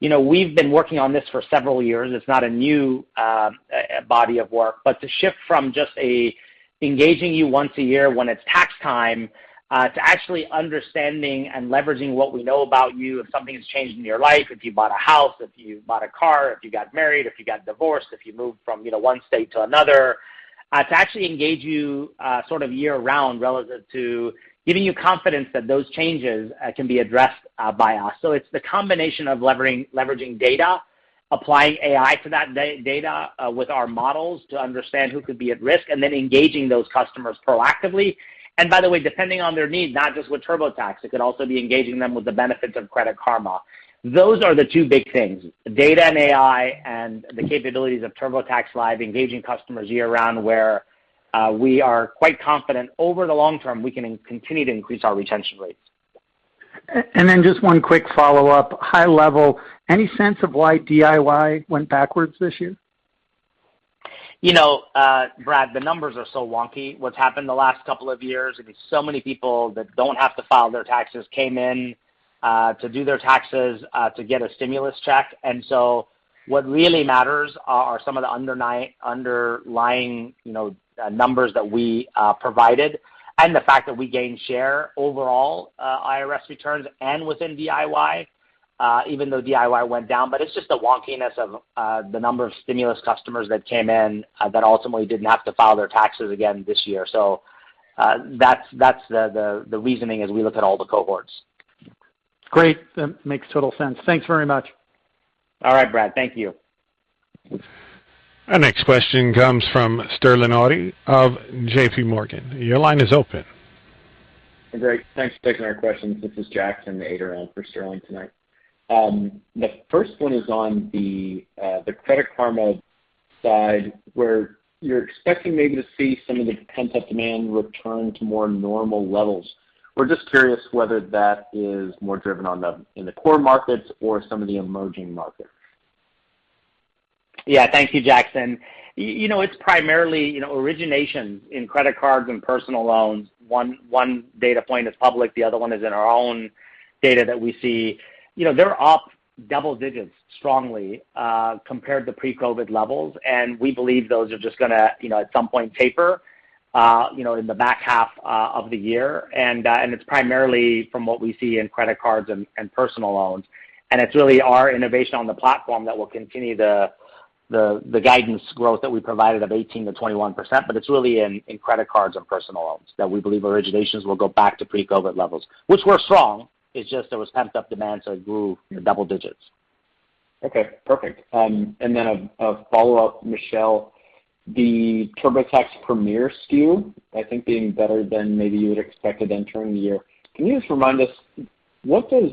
we've been working on this for several years. It's not a new body of work. To shift from just engaging you once a year when it's tax time, to actually understanding and leveraging what we know about you, if something's changed in your life, if you bought a house, if you bought a car, if you got married, if you got divorced, if you moved from one state to another, to actually engage you year round relative to giving you confidence that those changes can be addressed by us. It's the combination of leveraging data, applying AI to that data with our models to understand who could be at risk, and then engaging those customers proactively. By the way, depending on their needs, not just with TurboTax, it could also be engaging them with the benefits of Credit Karma. Those are the two big things, data and AI, and the capabilities of TurboTax Live, engaging customers year round where we are quite confident over the long term we can continue to increase our retention rates. Just one quick follow-up. High level, any sense of why DIY went backwards this year? Brad, the numbers are so wonky. What's happened the last couple of years, so many people that don't have to file their taxes came in to do their taxes to get a stimulus check. What really matters are some of the underlying numbers that we provided, and the fact that we gained share overall IRS returns and within DIY, even though DIY went down. It's just the wonkiness of the number of stimulus customers that came in that ultimately didn't have to file their taxes again this year. That's the reasoning as we look at all the cohorts. Great. That makes total sense. Thanks very much. All right, Brad. Thank you. Our next question comes from Sterling Auty of JPMorgan. Your line is open. Great. Thanks for taking our questions. This is Jackson Ader for Sterling [tonight]. The first one is on the Credit Karma side, where you're expecting maybe to see some of the pent-up demand return to more normal levels. We're just curious whether that is more driven in the core markets or some of the emerging markets. Yeah. Thank you, Jackson. It's primarily origination in credit cards and personal loans. One data point is public, the other one is in our own data that we see. They're up double digits strongly compared to pre-COVID levels, and we believe those are just going to at some point taper in the back half of the year. It's primarily from what we see in credit cards and personal loans. It's really our innovation on the platform that will continue the guidance growth that we provided of 18%-21%. It's really in credit cards and personal loans that we believe originations will go back to pre-COVID levels. Which were strong, it's just there was pent up demand, so it grew double digits. Okay. Perfect. A follow-up, Michelle. The TurboTax Premier SKU, I think being better than maybe you would expected entering the year. Can you just remind us, what does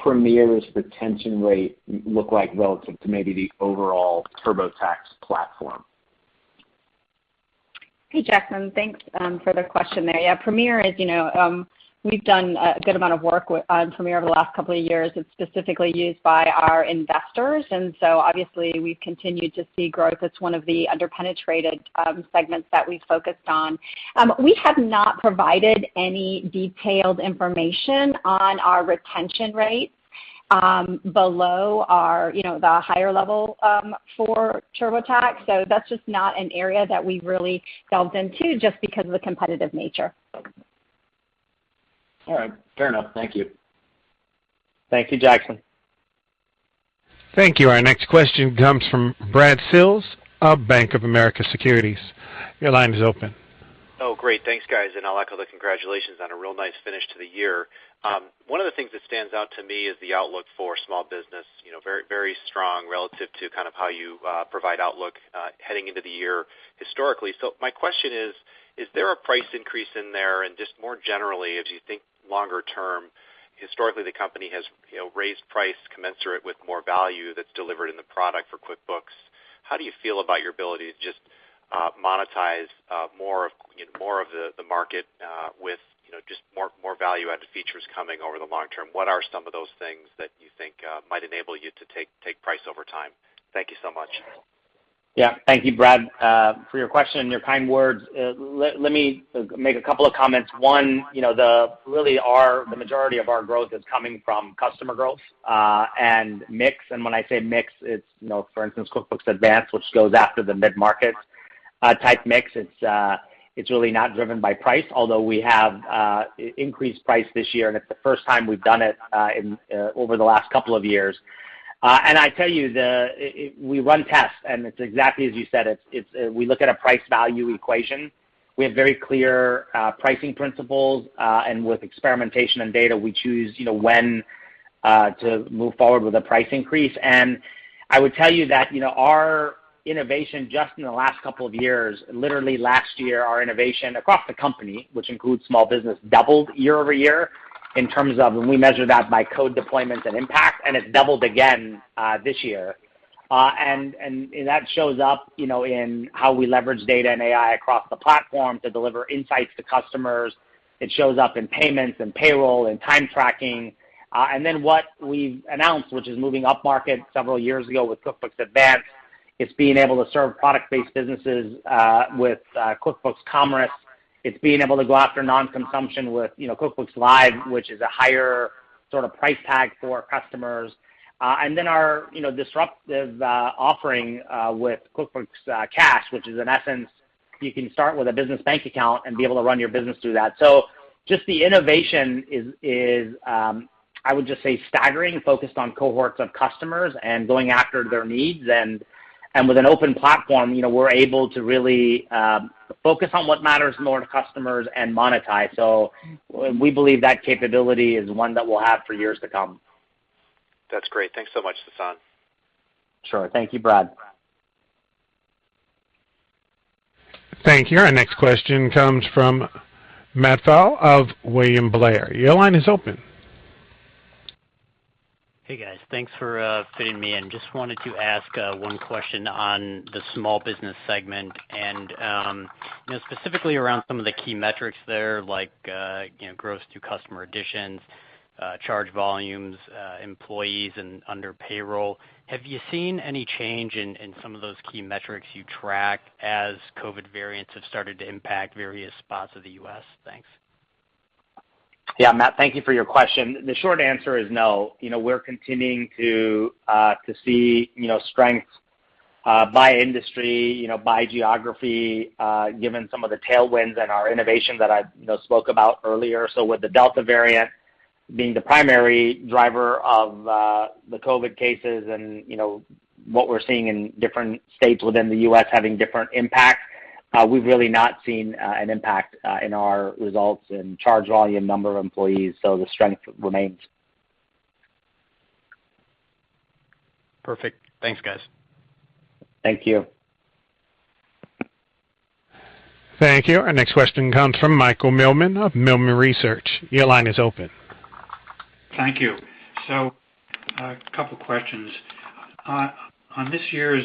Premier's retention rate look like relative to maybe the overall TurboTax platform? Hey, Jackson. Thanks for the question there. Premier, we've done a good amount of work on Premier over the last couple of years. It's specifically used by our investors, and so obviously we've continued to see growth. It's one of the under-penetrated segments that we've focused on. We have not provided any detailed information on our retention rates below the higher level for TurboTax. That's just not an area that we've really delved into just because of the competitive nature. All right. Fair enough. Thank you. Thank you, Jackson. Thank you. Our next question comes from Brad Sills of Bank of America Securities. Your line is open. Oh, great. Thanks, guys. I'll echo the congratulations on a real nice finish to the year. One of the things that stands out to me is the outlook for small business. Very strong relative to how you provide outlook heading into the year historically. My question is there a price increase in there? Just more generally, as you think longer term, historically the company has raised price commensurate with more value that's delivered in the product for QuickBooks. How do you feel about your ability to just monetize more of the market with just more value-added features coming over the long term? What are some of those things that you think might enable you to take price over time? Thank you so much. Thank you, Brad, for your question and your kind words. Let me make a couple of comments. One, really the majority of our growth is coming from customer growth, and mix. When I say mix, it's for instance, QuickBooks Advanced, which goes after the mid-market type mix. It's really not driven by price, although we have increased price this year, and it's the first time we've done it over the last couple of years. I tell you, we run tests, and it's exactly as you said. We look at a price value equation. We have very clear pricing principles. With experimentation and data, we choose when to move forward with a price increase. I would tell you that our innovation just in the last couple of years, literally last year, our innovation across the company, which includes small business, doubled year-over-year in terms of when we measure that by code deployments and impact, and it's doubled again this year. That shows up in how we leverage data and AI across the platform to deliver insights to customers. It shows up in payments and payroll and time tracking. Then what we've announced, which is moving upmarket several years ago with QuickBooks Advanced, is being able to serve product-based businesses with QuickBooks Commerce. It's being able to go after non-consumption with QuickBooks Live, which is a higher sort of price tag for customers. Our disruptive offering with QuickBooks Cash, which is in essence, you can start with a business bank account and be able to run your business through that. Just the innovation is, I would just say staggering, focused on cohorts of customers and going after their needs. With an open platform, we're able to really focus on what matters more to customers and monetize. We believe that capability is one that we'll have for years to come. That's great. Thanks so much, Sasan. Sure. Thank you, Brad. Thank you. Our next question comes from Matt Pfau of William Blair. Your line is open. Hey, guys. Thanks for fitting me in. Just wanted to ask one question on the small business segment and specifically around some of the key metrics there, like gross to customer additions, charge volumes, employees under payroll. Have you seen any change in some of those key metrics you track as COVID variants have started to impact various spots of the U.S.? Thanks. Yeah, Matt, thank you for your question. The short answer is no. We're continuing to see strength by industry, by geography, given some of the tailwinds and our innovation that I spoke about earlier. With the Delta variant being the primary driver of the COVID cases, and what we're seeing in different states within the U.S. having different impact, we've really not seen an impact in our results in charge volume, number of employees. The strength remains. Perfect. Thanks, guys. Thank you. Thank you. Our next question comes from Michael Millman of Millman Research. Your line is open. Thank you. A couple questions. On this year's,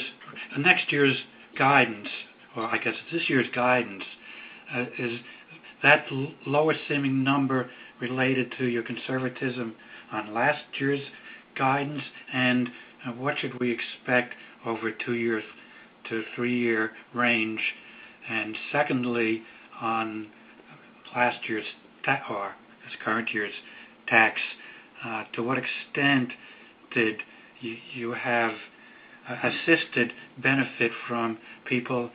next year's guidance, or I guess this year's guidance, is that lower seeming number related to your conservatism on last year's guidance, and what should we expect over two-year to three-year range? Secondly, on last year's, or this current year's tax, to what extent did you have assisted benefit from people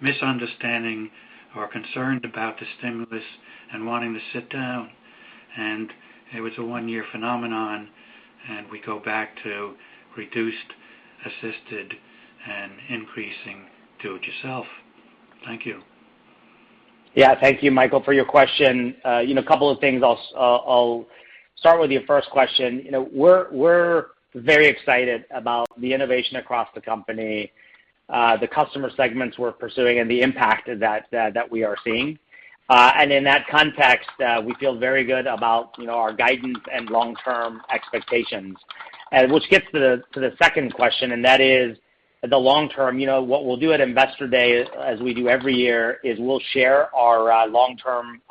misunderstanding or concerned about the stimulus and wanting to sit down, and it was a one-year phenomenon, and we go back to reduced assisted and increasing do-it-yourself? Thank you. Yeah. Thank you, Michael, for your question. A couple of things. I'll start with your first question. We're very excited about the innovation across the company, the customer segments we're pursuing, and the impact that we are seeing. In that context, we feel very good about our guidance and long-term expectations. Which gets to the second question, and that is the long term. What we'll do at Investor Day, as we do every year, is we'll share our long-term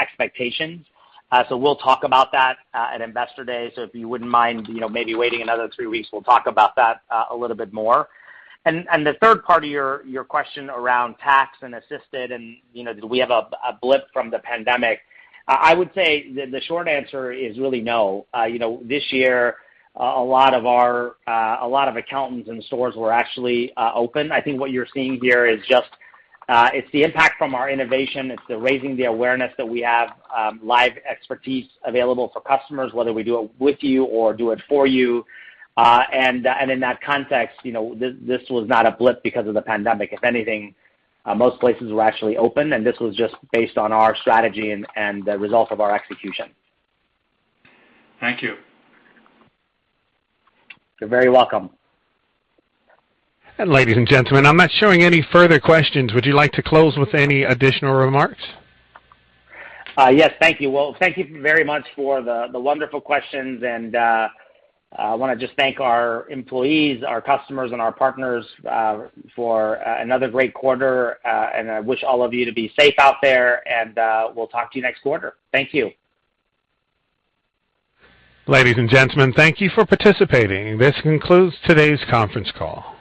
expectations. We'll talk about that at Investor Day. If you wouldn't mind maybe waiting another three weeks, we'll talk about that a little bit more. The third part of your question around tax and assisted and did we have a blip from the pandemic, I would say the short answer is really no. This year, a lot of accountants and stores were actually open. I think what you're seeing here is just it's the impact from our innovation. It's the raising the awareness that we have live expertise available for customers, whether we do it with you or do it for you. In that context, this was not a blip because of the pandemic. If anything, most places were actually open, and this was just based on our strategy and the result of our execution. Thank you. You're very welcome. Ladies and gentlemen, I'm not showing any further questions. Would you like to close with any additional remarks? Yes. Thank you. Well, thank you very much for the wonderful questions. I want to just thank our employees, our customers, and our partners for another great quarter. I wish all of you to be safe out there, and we'll talk to you next quarter. Thank you. Ladies and gentlemen, thank you for participating. This concludes today's conference call.